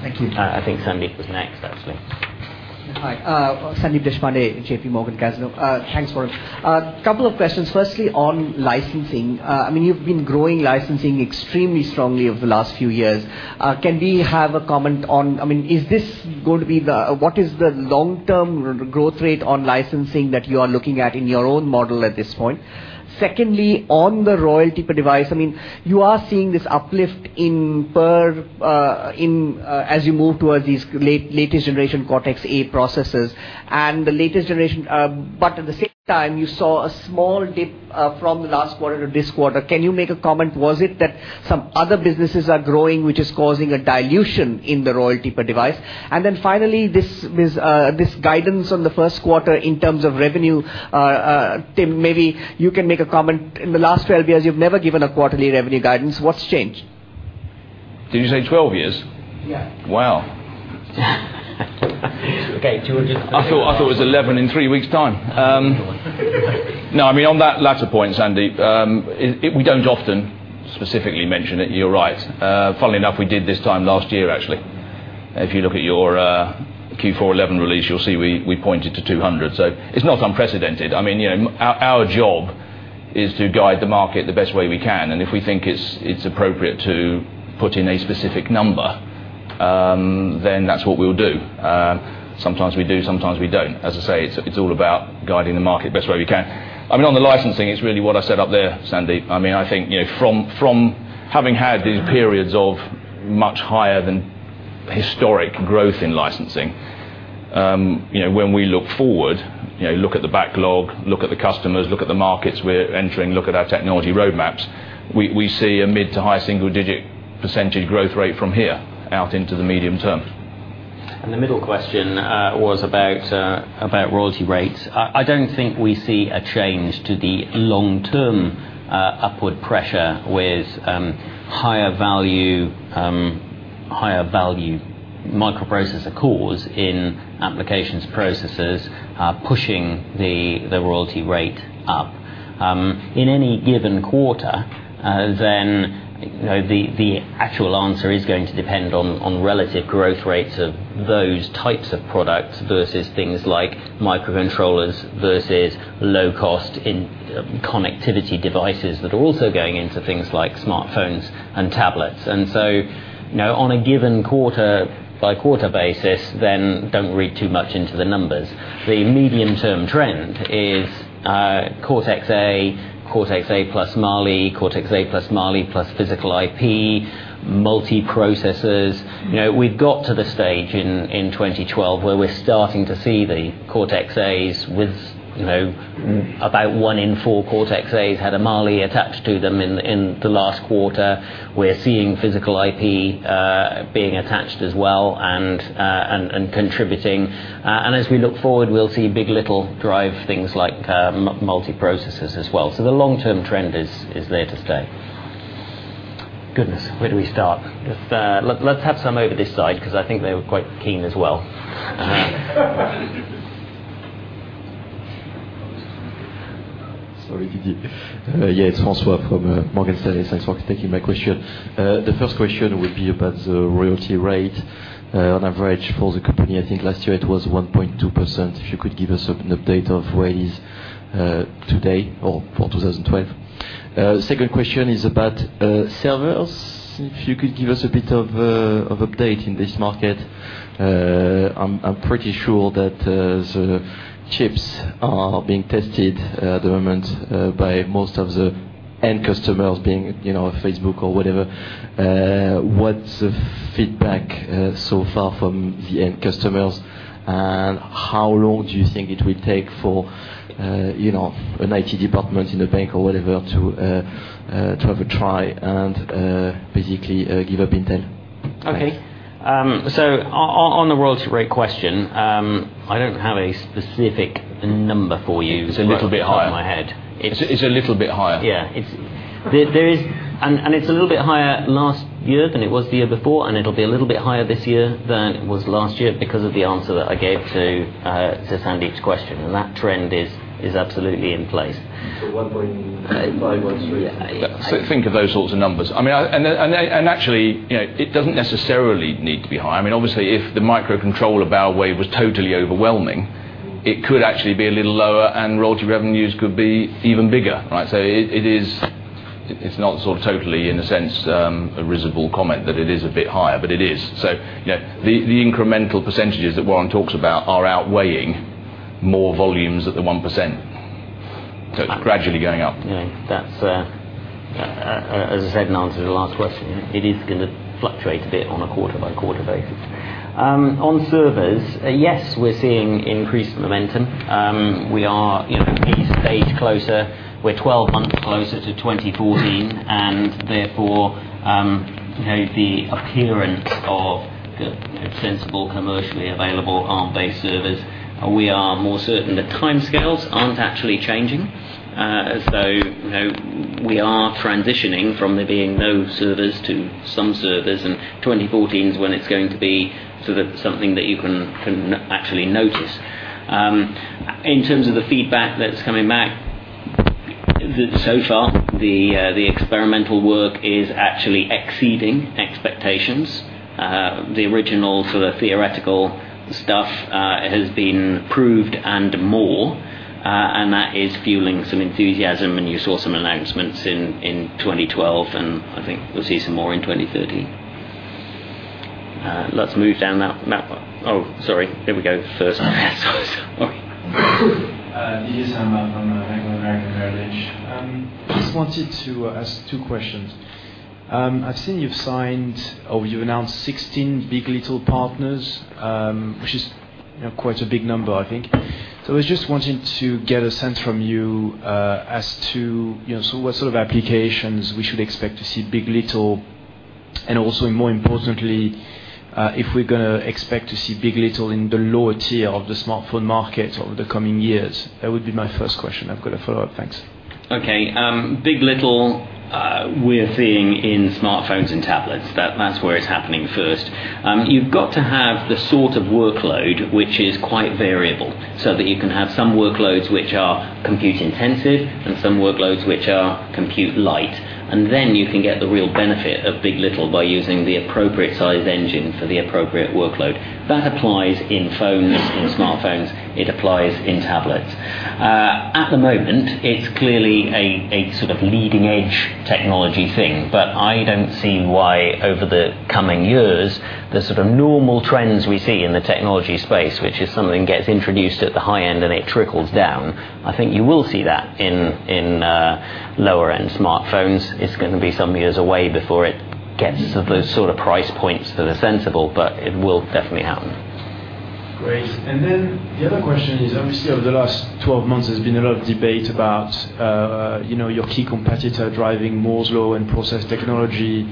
Thank you.
I think Sandeep was next, actually.
Hi, Sandeep Deshpande, J.P. Morgan. Thanks, Warren. Couple of questions. Firstly, on licensing, you've been growing licensing extremely strongly over the last few years. Can we have a comment on what is the long-term growth rate on licensing that you are looking at in your own model at this point? Secondly, on the royalty per device, you are seeing this uplift as you move towards these latest generation Cortex-A processes. At the same time, you saw a small dip from the last quarter to this quarter. Can you make a comment? Was it that some other businesses are growing, which is causing a dilution in the royalty per device? Then finally, this guidance on the first quarter in terms of revenue, Tim, maybe you can make a comment. In the last 12 years, you've never given a quarterly revenue guidance. What's changed?
Did you say 12 years?
Yeah.
Wow.
Okay. Do you want to?
I thought it was eleven in three weeks' time. On that latter point, Sandeep, we don't often specifically mention it, you're right. Funnily enough, we did this time last year, actually. If you look at your Q4 2011 release, you'll see we pointed to 200. It's not unprecedented. Our job is to guide the market the best way we can, and if we think it's appropriate to put in a specific number, then that's what we'll do. Sometimes we do, sometimes we don't. As I say, it's all about guiding the market best way we can. On the licensing, it's really what I said up there, Sandeep. I think from having had these periods of much higher than historic growth in licensing, when we look forward, look at the backlog, look at the customers, look at the markets we're entering, look at our technology roadmaps, we see a mid to high single-digit % growth rate from here out into the medium term.
The middle question was about royalty rates. I don't think we see a change to the long-term upward pressure with higher value microprocessor cores in applications processes pushing the royalty rate up. In any given quarter, the actual answer is going to depend on relative growth rates of those types of products versus things like microcontrollers versus low cost in connectivity devices that are also going into things like smartphones and tablets. On a given quarter-by-quarter basis, don't read too much into the numbers. The medium-term trend is Cortex-A, Cortex-A + Mali, Cortex-A + Mali + physical IP, multiprocessors. We've got to the stage in 2012 where we're starting to see the Cortex-As with about one in four Cortex-As had a Mali attached to them in the last quarter. We're seeing physical IP being attached as well and contributing. As we look forward, we'll see big. LITTLE drive things like multiprocessors as well. The long-term trend is there to stay. Goodness, where do we start? Let's have some over this side because I think they were quite keen as well.
Sorry, did you? Yeah, it's Francois from Morgan Stanley. Thanks for taking my question. The first question would be about the royalty rate on average for the company. I think last year it was 1.2%. If you could give us an update of where it is today or for 2012. Second question is about servers. If you could give us a bit of update in this market. I'm pretty sure that the chips are being tested at the moment by most of the end customers being Facebook or whatever. What's the feedback so far from the end customers, and how long do you think it will take for an IT department in a bank or whatever to have a try and basically give up Intel?
Okay. On the royalty rate question, I don't have a specific number for you-
It's a little bit higher
off the top of my head.
It's a little bit higher.
Yeah. It's a little bit higher last year than it was the year before, and it'll be a little bit higher this year than it was last year because of the answer that I gave to Sandeep's question. That trend is absolutely in place.
1.5, 1.3.
Think of those sorts of numbers. Actually, it doesn't necessarily need to be high. Obviously, if the microcontroller of Bow Wave was totally overwhelming, it could actually be a little lower and royalty revenues could be even bigger, right? It's not sort of totally, in a sense, a reasonable comment that it is a bit higher, but it is. The incremental percentages that Warren talks about are outweighing more volumes at the 1%. Gradually going up.
Yeah. As I said in answer to the last question, it is going to fluctuate a bit on a quarter-by-quarter basis. On servers, yes, we're seeing increased momentum. We are at least eight closer, we're 12 months closer to 2014, and therefore, the appearance of sensible, commercially available Arm-based servers. We are more certain the timescales aren't actually changing, as though we are transitioning from there being no servers to some servers, and 2014's when it's going to be sort of something that you can actually notice. In terms of the feedback that's coming back, so far, the experimental work is actually exceeding expectations. The original theoretical stuff has been proved and more, and that is fueling some enthusiasm, and you saw some announcements in 2012, and I think we'll see some more in 2013. Let's move down that. Oh, sorry. Here we go. First. Sorry.
Nizam from Anglo American Heritage. Just wanted to ask two questions. I've seen you've signed or you announced 16 big. LITTLE partners, which is quite a big number I think. I just wanted to get a sense from you as to what sort of applications we should expect to see big. LITTLE, and also more importantly, if we're going to expect to see big. LITTLE in the lower tier of the smartphone market over the coming years. That would be my first question. I've got a follow-up. Thanks.
Okay. big. LITTLE, we're seeing in smartphones and tablets. That's where it's happening first. You've got to have the sort of workload which is quite variable, so that you can have some workloads which are compute intensive and some workloads which are compute light. You can get the real benefit of big. LITTLE by using the appropriate size engine for the appropriate workload. That applies in phones, in smartphones. It applies in tablets. At the moment, it's clearly a sort of leading-edge technology thing. I don't see why over the coming years, the sort of normal trends we see in the technology space, which is something gets introduced at the high end and it trickles down. I think you will see that in lower-end smartphones. It's going to be some years away before it gets to those sort of price points that are sensible, but it will definitely happen.
Great. The other question is, obviously over the last 12 months, there's been a lot of debate about your key competitor driving Moore's Law and process technology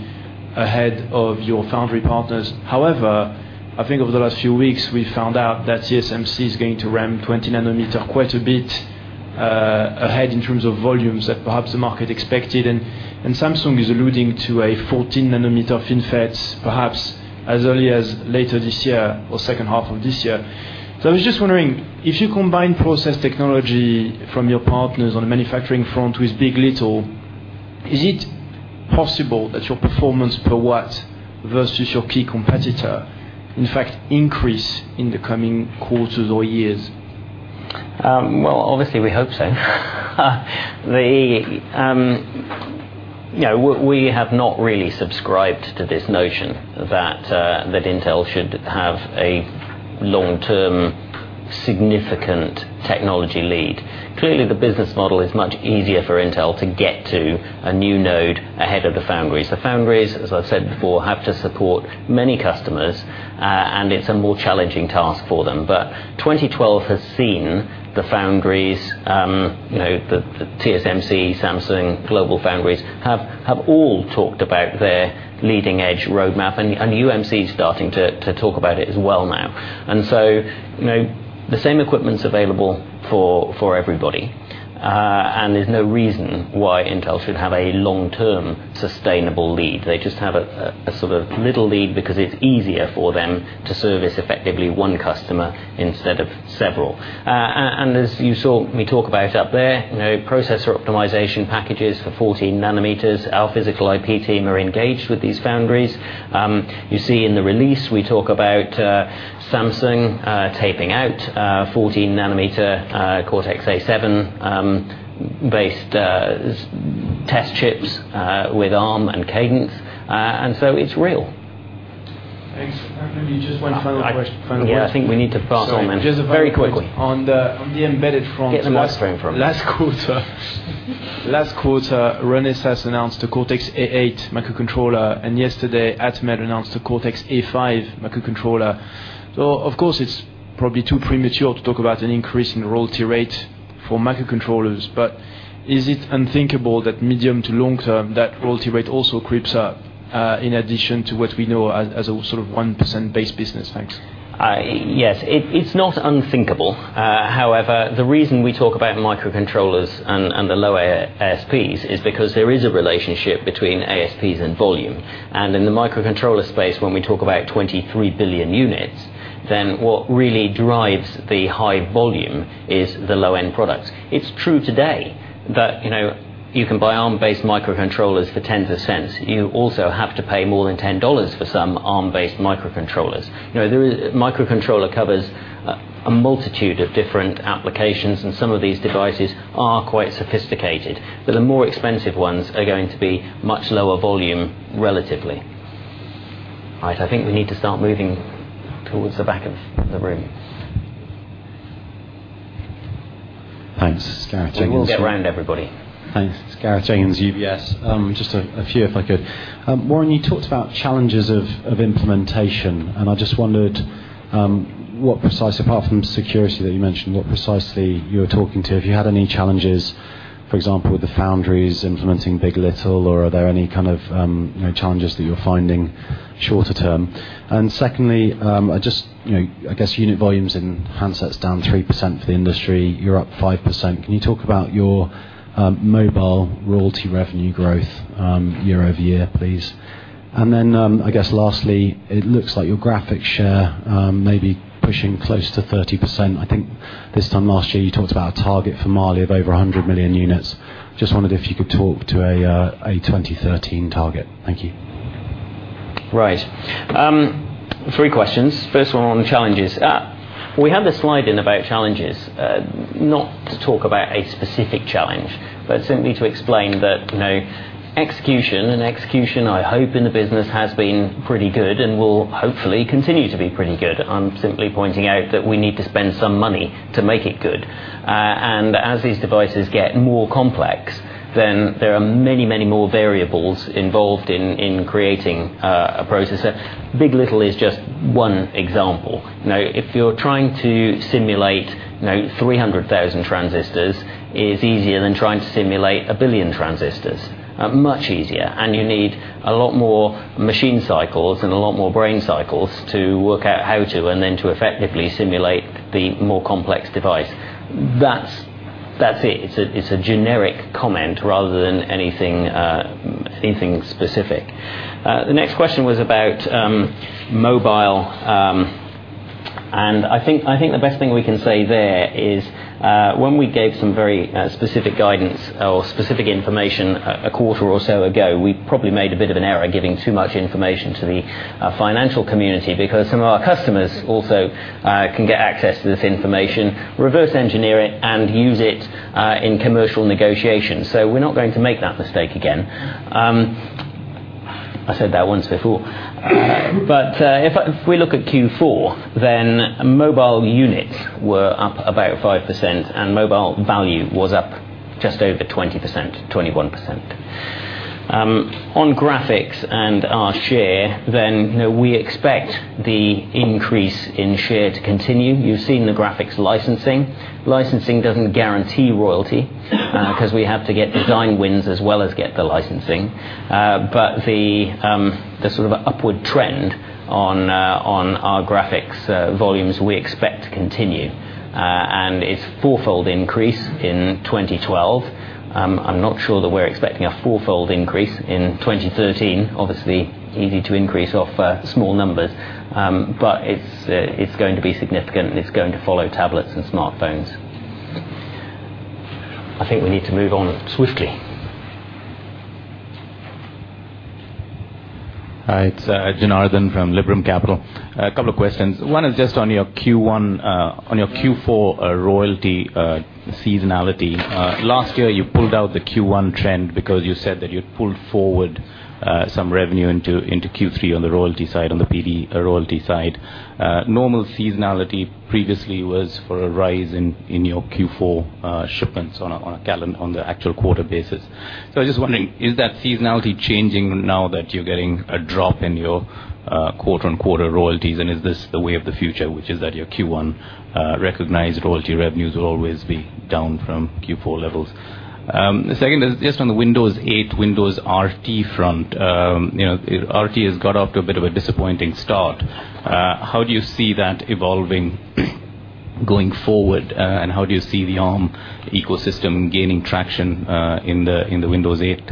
ahead of your foundry partners. However, I think over the last few weeks, we found out that TSMC is going to ram 20 nanometer quite a bit ahead in terms of volumes that perhaps the market expected. Samsung is alluding to a 14-nanometer FinFET perhaps as early as later this year or second half of this year. I was just wondering, if you combine process technology from your partners on the manufacturing front with big. LITTLE, is it possible that your performance per watt versus your key competitor, in fact, increase in the coming quarters or years?
Well, obviously, we hope so. We have not really subscribed to this notion that Intel should have a long-term significant technology lead. Clearly, the business model is much easier for Intel to get to a new node ahead of the foundries. The foundries, as I've said before, have to support many customers, and it's a more challenging task for them. 2012 has seen the foundries, the TSMC, Samsung, GlobalFoundries, have all talked about their leading-edge roadmap, UMC is starting to talk about it as well now. The same equipment's available for everybody. There's no reason why Intel should have a long-term sustainable lead. They just have a sort of middle lead because it's easier for them to service effectively one customer instead of several. As you saw me talk about up there, Processor Optimization packages for 14 nanometers, our physical IP team are engaged with these foundries. You see in the release we talk about Samsung taping out 14 nanometer Cortex-A7 based test chips with Arm and Cadence. It's real.
Thanks. Maybe just one final question.
Yeah, I think we need to press on then.
Just a final point.
Very quickly.
on the embedded front
Get the last thing from me.
Last quarter, Renesas announced a Cortex-A8 microcontroller, and yesterday Atmel announced a Cortex-A5 microcontroller. Of course it's probably too premature to talk about an increase in royalty rate for microcontrollers, but is it unthinkable that medium to long-term, that royalty rate also creeps up, in addition to what we know as a sort of 1% based business? Thanks.
Yes. It's not unthinkable. However, the reason we talk about microcontrollers and the lower ASPs is because there is a relationship between ASPs and volume. In the microcontroller space, when we talk about 23 billion units, what really drives the high volume is the low-end products. It's true today that you can buy Arm-based microcontrollers for 0.10. You also have to pay more than GBP 10 for some Arm-based microcontrollers. Microcontroller covers a multitude of different applications, and some of these devices are quite sophisticated. The more expensive ones are going to be much lower volume relatively. Right. I think we need to start moving towards the back of the room.
Thanks. Gareth Jenkins.
We will get round to everybody.
Thanks. Gareth Jenkins, UBS. Just a few if I could. Warren, you talked about challenges of implementation, I just wondered what precise, apart from security that you mentioned, what precisely you were talking to. Have you had any challenges, for example, with the foundries implementing big. LITTLE, Are there any kind of challenges that you're finding shorter term? Secondly, I guess unit volumes in handsets down 3% for the industry. You're up 5%. Can you talk about your mobile royalty revenue growth, year-over-year, please? Lastly, it looks like your graphic share may be pushing close to 30%. I think this time last year, you talked about a target for Mali of over 100 million units. Just wondered if you could talk to a 2013 target. Thank you.
Right. Three questions. First of all, on the challenges. We have the slide in about challenges. Not to talk about a specific challenge, but simply to explain that execution, Execution I hope in the business has been pretty good and will hopefully continue to be pretty good. I'm simply pointing out that we need to spend some money to make it good. As these devices get more complex, There are many, many more variables involved in creating a processor. big. LITTLE is just one example. If you're trying to simulate 300,000 transistors, it's easier than trying to simulate 1 billion transistors. Much easier. You need a lot more machine cycles and a lot more brain cycles to work out how to, and then to effectively simulate the more complex device. That's it. It's a generic comment rather than anything specific. The next question was about mobile. I think the best thing we can say there is, when we gave some very specific guidance or specific information a quarter or so ago, we probably made a bit of an error giving too much information to the financial community because some of our customers also can get access to this information, reverse engineer it, and use it in commercial negotiations. We're not going to make that mistake again. I said that once before. If we look at Q4, mobile units were up about 5% and mobile value was up just over 20%, 21%. On graphics and our share, we expect the increase in share to continue. You've seen the graphics licensing. Licensing doesn't guarantee royalty because we have to get design wins as well as get the licensing. The sort of upward trend on our graphics volumes we expect to continue. It's fourfold increase in 2012. I'm not sure that we're expecting a fourfold increase in 2013. Obviously, easy to increase off small numbers. It's going to be significant, and it's going to follow tablets and smartphones. I think we need to move on swiftly.
Hi, it's Janardan from Liberum Capital. A couple of questions. One is just on your Q4 royalty seasonality. Last year, you pulled out the Q1 trend because you said that you had pulled forward some revenue into Q3 on the royalty side, on the PD royalty side. Normal seasonality previously was for a rise in your Q4 shipments on the actual quarter basis. I'm just wondering, is that seasonality changing now that you're getting a drop in your quarter-on-quarter royalties, and is this the way of the future, which is that your Q1 recognized royalty revenues will always be down from Q4 levels? The second is just on the Windows 8, Windows RT front. Windows RT has got off to a bit of a disappointing start. How do you see that evolving going forward, and how do you see the Arm ecosystem gaining traction in the Windows 8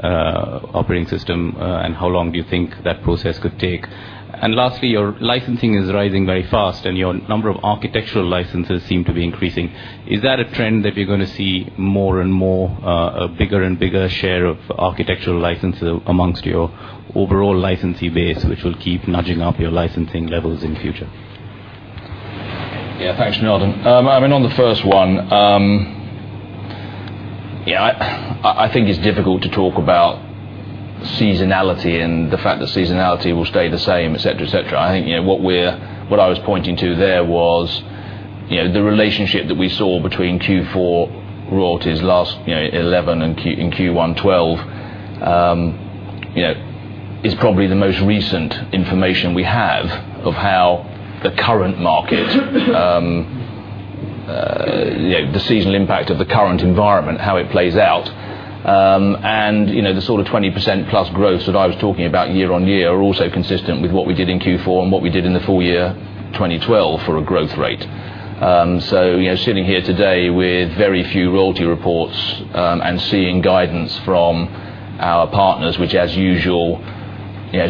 operating system, and how long do you think that process could take? Lastly, your licensing is rising very fast and your number of architectural licenses seem to be increasing. Is that a trend that you're going to see more and more, a bigger and bigger share of architectural licenses amongst your overall licensee base, which will keep nudging up your licensing levels in the future?
Yeah. Thanks, Janardan. It's difficult to talk about seasonality and the fact that seasonality will stay the same, et cetera. What I was pointing to there was the relationship that we saw between Q4 royalties last 2011 and Q1 2012 is probably the most recent information we have of how the seasonal impact of the current environment, how it plays out. The sort of 20%+ growth that I was talking about year-on-year are also consistent with what we did in Q4 and what we did in the full year 2012 for a growth rate. Sitting here today with very few royalty reports, and seeing guidance from our partners, which as usual,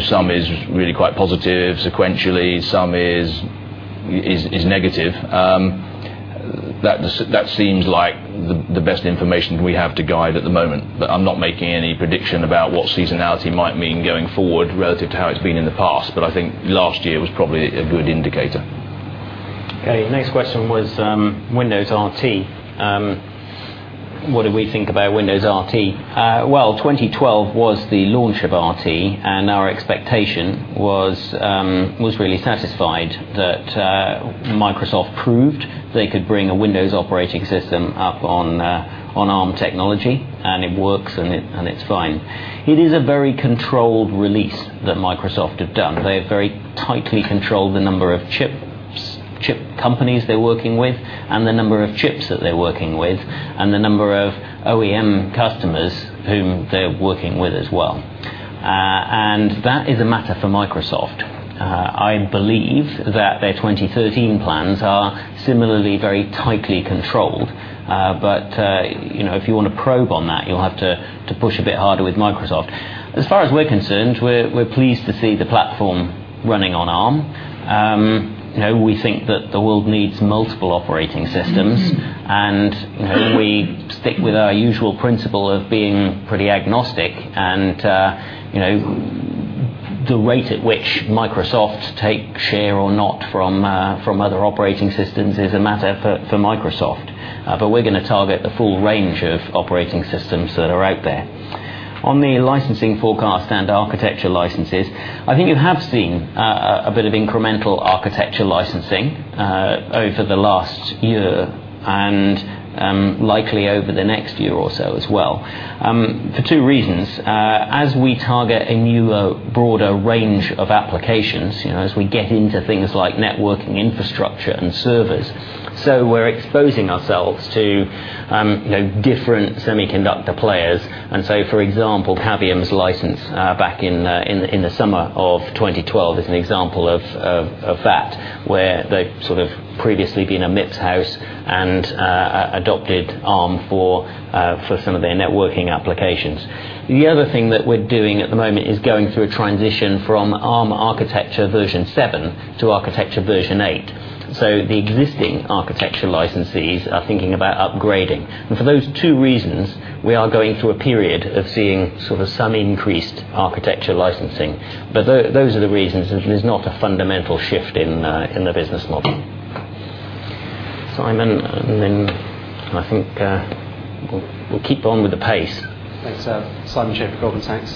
some is really quite positive sequentially, some is negative. That seems like the best information we have to guide at the moment. I'm not making any prediction about what seasonality might mean going forward relative to how it's been in the past. Last year was probably a good indicator.
Next question was Windows RT. What do we think about Windows RT? 2012 was the launch of RT, and our expectation was really satisfied that Microsoft proved they could bring a Windows operating system up on Arm technology, and it works, and it's fine. It is a very controlled release that Microsoft have done. They have very tightly controlled the number of chip companies they're working with and the number of chips that they're working with, and the number of OEM customers whom they're working with as well. That is a matter for Microsoft. I believe that their 2013 plans are similarly very tightly controlled. If you want to probe on that, you'll have to push a bit harder with Microsoft. As far as we're concerned, we're pleased to see the platform running on Arm. We think that the world needs multiple operating systems, and we stick with our usual principle of being pretty agnostic, and the rate at which Microsoft take share or not from other operating systems is a matter for Microsoft. We're going to target the full range of operating systems that are out there. On the licensing forecast and architecture licenses, you have seen a bit of incremental architecture licensing over the last year and likely over the next year or so as well, for two reasons. As we target a newer, broader range of applications, as we get into things like networking infrastructure and servers. We're exposing ourselves to different semiconductor players. For example, Cavium's license back in the summer of 2012 is an example of that, where they've sort of previously been a MIPS house and adopted Arm for some of their networking applications. The other thing that we're doing at the moment is going through a transition from Arm architecture version 7 to architecture version 8. The existing architecture licensees are thinking about upgrading. For those two reasons, we are going through a period of seeing sort of some increased architecture licensing. Those are the reasons. There's not a fundamental shift in the business model. Simon, I think we'll keep on with the pace.
Thanks. Simon Schafer, Goldman Sachs.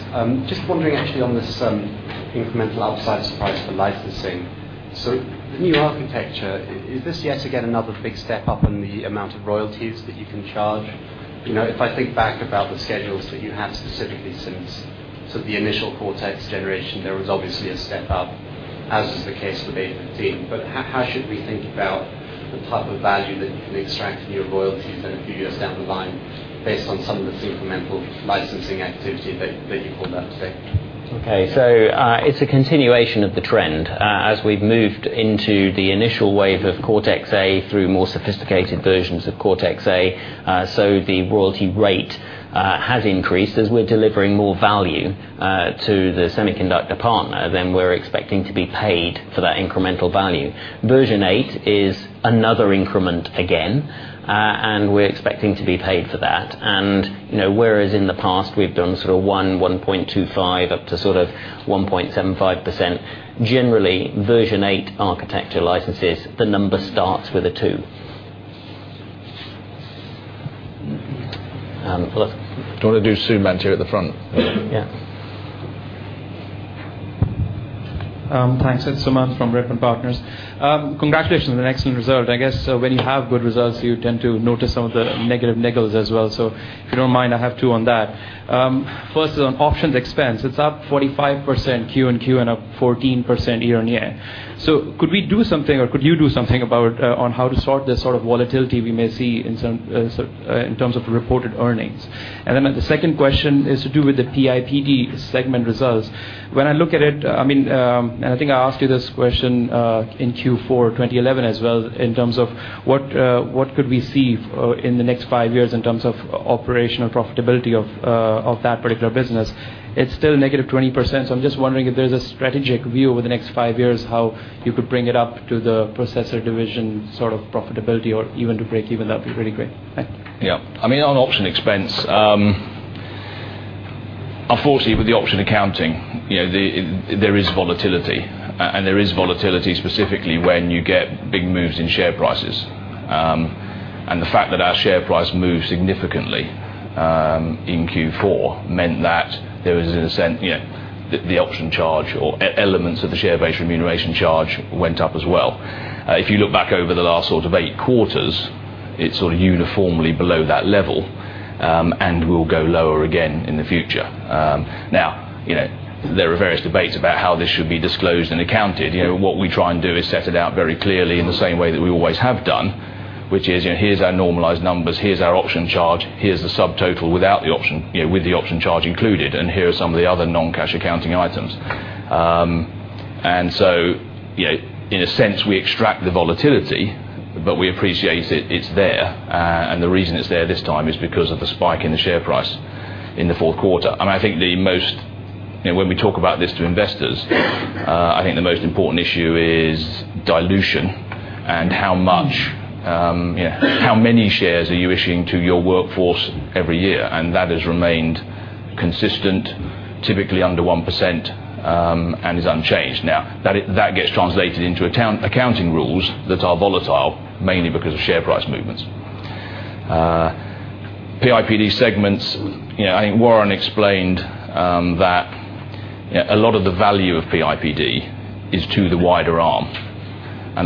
Just wondering actually on this incremental upside surprise for licensing. The new architecture, is this yet again another big step-up in the amount of royalties that you can charge? If I think back about the schedules that you had specifically since sort of the initial Cortex generation, there was obviously a step-up, as is the case for v15. How should we think about the type of value that you can extract in your royalties then a few years down the line based on some of this incremental licensing activity that you called out today?
Okay. It's a continuation of the trend. As we've moved into the initial wave of Cortex-A through more sophisticated versions of Cortex-A. The royalty rate has increased as we're delivering more value to the semiconductor partner than we're expecting to be paid for that incremental value. Version 8 is another increment again. We're expecting to be paid for that. Whereas in the past we've done sort of 1%, 1.25% up to 1.75%, generally version 8 architecture licenses, the number starts with a 2. Tim. Do you want to do Suman next? Here at the front.
Yeah.
Thanks. It's Suman from Redburn Partners. Congratulations on an excellent result. I guess when you have good results, you tend to notice some of the negative niggles as well. If you don't mind, I have two on that. First is on options expense. It's up 45% Q and Q, and up 14% year on year. Could we do something, or could you do something about how to sort the sort of volatility we may see in terms of reported earnings? The second question is to do with the PIPD segment results. When I look at it, and I think I asked you this question in Q4 2011 as well, in terms of what could we see in the next five years in terms of operational profitability of that particular business. It's still -20%. I'm just wondering if there's a strategic view over the next five years, how you could bring it up to the processor division sort of profitability or even to break even. That'd be really great. Thank you.
Yeah. On option expense, unfortunately with the option accounting, there is volatility. There is volatility specifically when you get big moves in share prices. The fact that our share price moved significantly in Q4 meant that there was, in a sense, the option charge or elements of the share-based remuneration charge went up as well. If you look back over the last sort of eight quarters, it's sort of uniformly below that level, and will go lower again in the future. Now, there are various debates about how this should be disclosed and accounted. What we try and do is set it out very clearly in the same way that we always have done, which is, here's our normalized numbers, here's our option charge, here's the subtotal with the option charge included, here are some of the other non-cash accounting items. In a sense, we extract the volatility, but we appreciate it's there. The reason it's there this time is because of the spike in the share price in the fourth quarter. I think when we talk about this to investors, I think the most important issue is dilution and how many shares are you issuing to your workforce every year, and that has remained consistent, typically under 1%, is unchanged. Now, that gets translated into accounting rules that are volatile, mainly because of share price movements. PIPD segments, I think Warren explained that a lot of the value of PIPD is to the wider Arm.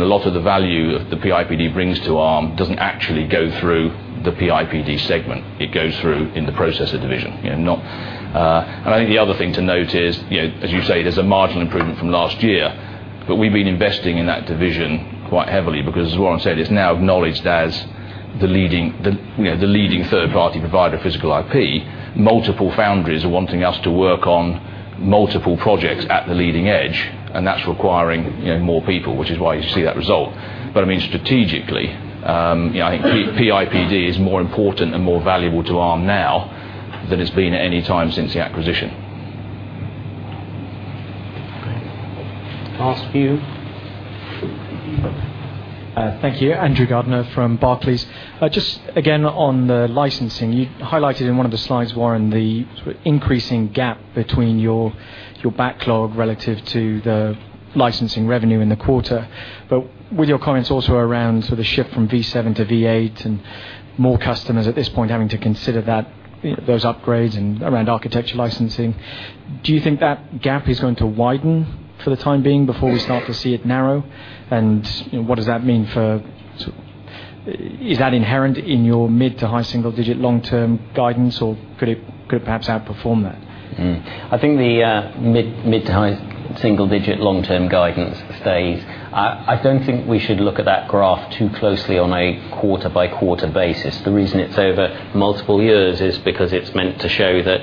A lot of the value that the PIPD brings to Arm doesn't actually go through the PIPD segment. It goes through in the processor division. I think the other thing to note is, as you say, there's a marginal improvement from last year. We've been investing in that division quite heavily because, as Warren said, it's now acknowledged as the leading third-party provider of physical IP. Multiple foundries are wanting us to work on multiple projects at the leading edge, and that's requiring more people, which is why you see that result. Strategically, I think PIPD is more important and more valuable to Arm now than it's been at any time since the acquisition.
Great. Last few.
Thank you. Andrew Gardiner from Barclays. Just again, on the licensing, you highlighted in one of the slides, Warren, the increasing gap between your backlog relative to the licensing revenue in the quarter. With your comments also around the shift from v7 to v8 and more customers at this point having to consider those upgrades and around architecture licensing, do you think that gap is going to widen for the time being before we start to see it narrow? Is that inherent in your mid to high single-digit long-term guidance, or could it perhaps outperform that?
I think the mid to high single-digit long-term guidance stays. I don't think we should look at that graph too closely on a quarter-by-quarter basis. The reason it's over multiple years is because it's meant to show that,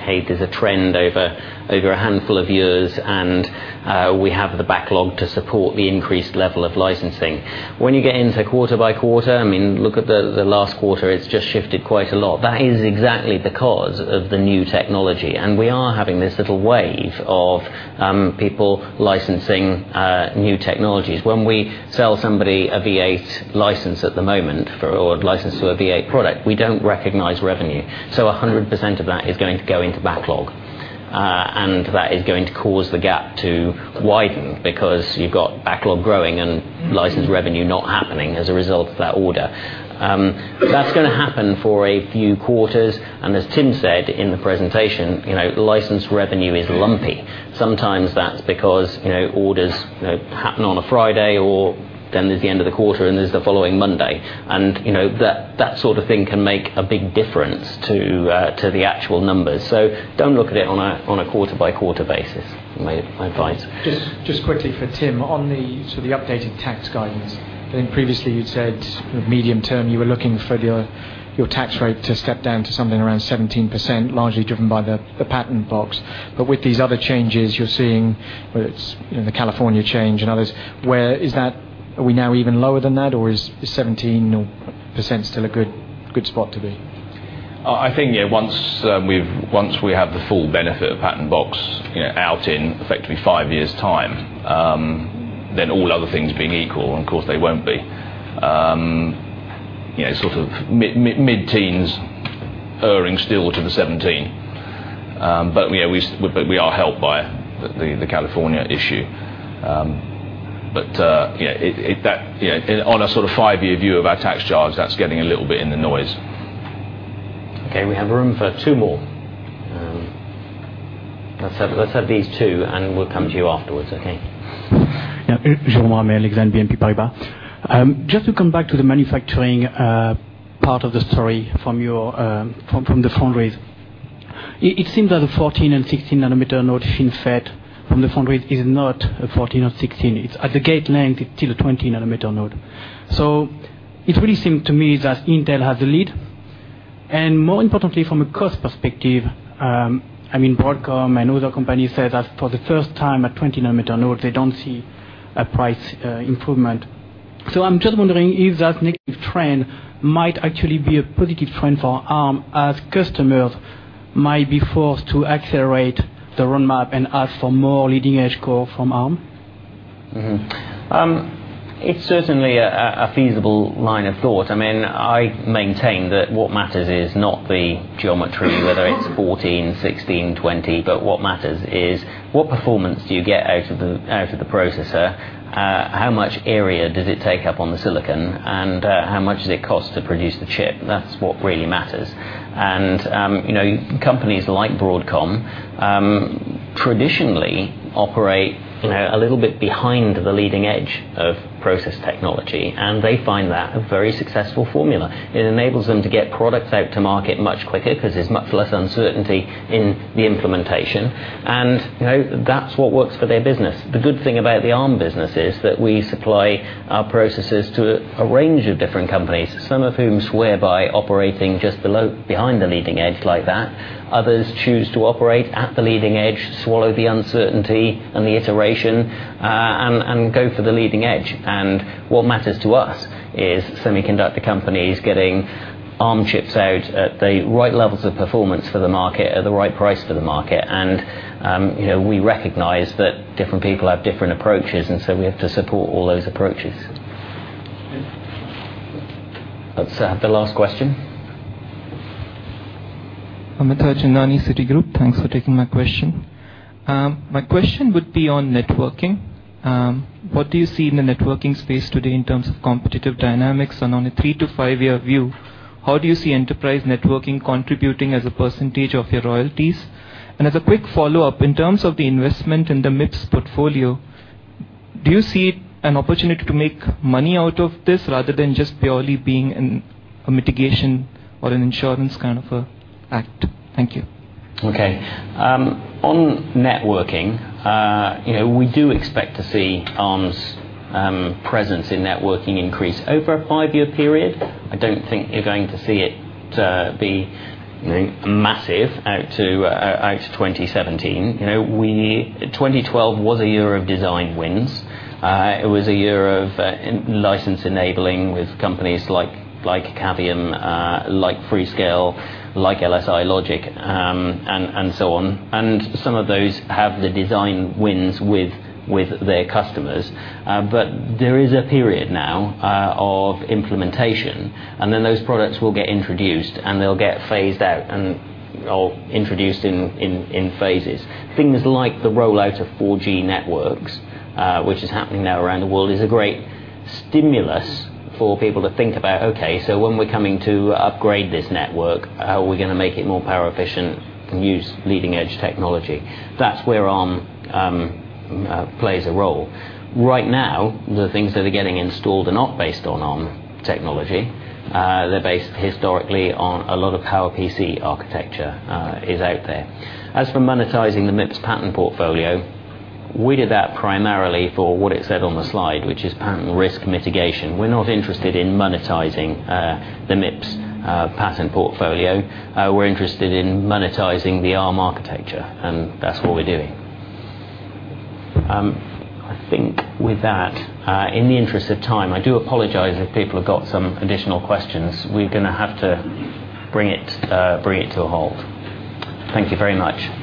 hey, there's a trend over a handful of years. We have the backlog to support the increased level of licensing. When you get into quarter-by-quarter, look at the last quarter, it's just shifted quite a lot. That is exactly because of the new technology. We are having this little wave of people licensing new technologies. When we sell somebody a v8 license at the moment, or license to a v8 product, we don't recognize revenue. 100% of that is going to go into backlog. That is going to cause the gap to widen because you've got backlog growing and license revenue not happening as a result of that order. That's going to happen for a few quarters, and as Tim said in the presentation, license revenue is lumpy. Sometimes that's because orders happen on a Friday, or then there's the end of the quarter, and there's the following Monday. That sort of thing can make a big difference to the actual numbers. Do not look at it on a quarter-by-quarter basis, my advice.
Just quickly for Tim, on the updated tax guidance. I think previously you'd said medium term, you were looking for your tax rate to step down to something around 17%, largely driven by the Patent Box. But with these other changes you're seeing, whether it's the California change and others, are we now even lower than that, or is 17% still a good spot to be?
Once we have the full benefit of Patent Box out in effectively 5 years' time, then all other things being equal, and of course they won't be, sort of mid-teens erring still to the 17%. We are helped by the California issue. On a sort of 5-year view of our tax charge, that's getting a little bit in the noise.
We have room for two more. Let's have these two, and we'll come to you afterwards, okay?
Yeah. Jerome Ramel, BNP Paribas. Just to come back to the manufacturing part of the story from the foundries. It seems that the 14 and 16 nanometer node FinFET from the foundries is not a 14 or 16. At the gate length, it is still a 20 nanometer node. It really seemed to me that Intel had the lead, and more importantly, from a cost perspective, Broadcom and other companies said that for the first time at 20 nanometer node, they do not see a price improvement. I am just wondering if that negative trend might actually be a positive trend for Arm as customers might be forced to accelerate the roadmap and ask for more leading-edge core from Arm.
It is certainly a feasible line of thought. I maintain that what matters is not the geometry, whether it is 14, 16, 20, but what matters is what performance do you get out of the processor, how much area does it take up on the silicon, and how much does it cost to produce the chip? That is what really matters. Companies like Broadcom traditionally operate a little bit behind the leading edge of process technology, and they find that a very successful formula. It enables them to get products out to market much quicker because there is much less uncertainty in the implementation, and that is what works for their business. The good thing about the Arm business is that we supply our processes to a range of different companies, some of whom swear by operating just behind the leading edge like that. Others choose to operate at the leading edge, swallow the uncertainty and the iteration, and go for the leading edge. What matters to us is semiconductor companies getting Arm chips out at the right levels of performance for the market, at the right price for the market. We recognize that different people have different approaches, and so we have to support all those approaches. Let us have the last question.
I am Mithurjanani, Citigroup. Thanks for taking my question. My question would be on networking. What do you see in the networking space today in terms of competitive dynamics? On a three- to five-year view, how do you see enterprise networking contributing as a percentage of your royalties? As a quick follow-up, in terms of the investment in the MIPS portfolio, do you see an opportunity to make money out of this rather than just purely being a mitigation or an insurance kind of act? Thank you.
Okay. On networking, we do expect to see Arm's presence in networking increase over a five-year period. I don't think you're going to see it be massive out to 2017. 2012 was a year of design wins. It was a year of license enabling with companies like Cavium, like Freescale, like LSI Logic. Some of those have the design wins with their customers. There is a period now of implementation, and then those products will get introduced, and they'll get phased out and introduced in phases. Things like the rollout of 4G networks, which is happening now around the world, is a great stimulus for people to think about, okay, so when we're coming to upgrade this network, how are we going to make it more power efficient and use leading-edge technology? That's where Arm plays a role. Right now, the things that are getting installed are not based on Arm technology. They're based historically on a lot of PowerPC architecture is out there. For monetizing the MIPS patent portfolio, we did that primarily for what it said on the slide, which is patent risk mitigation. We're not interested in monetizing the MIPS patent portfolio. We're interested in monetizing the Arm architecture, and that's what we're doing. I think with that, in the interest of time, I do apologize if people have got some additional questions. We're going to have to bring it to a halt. Thank you very much.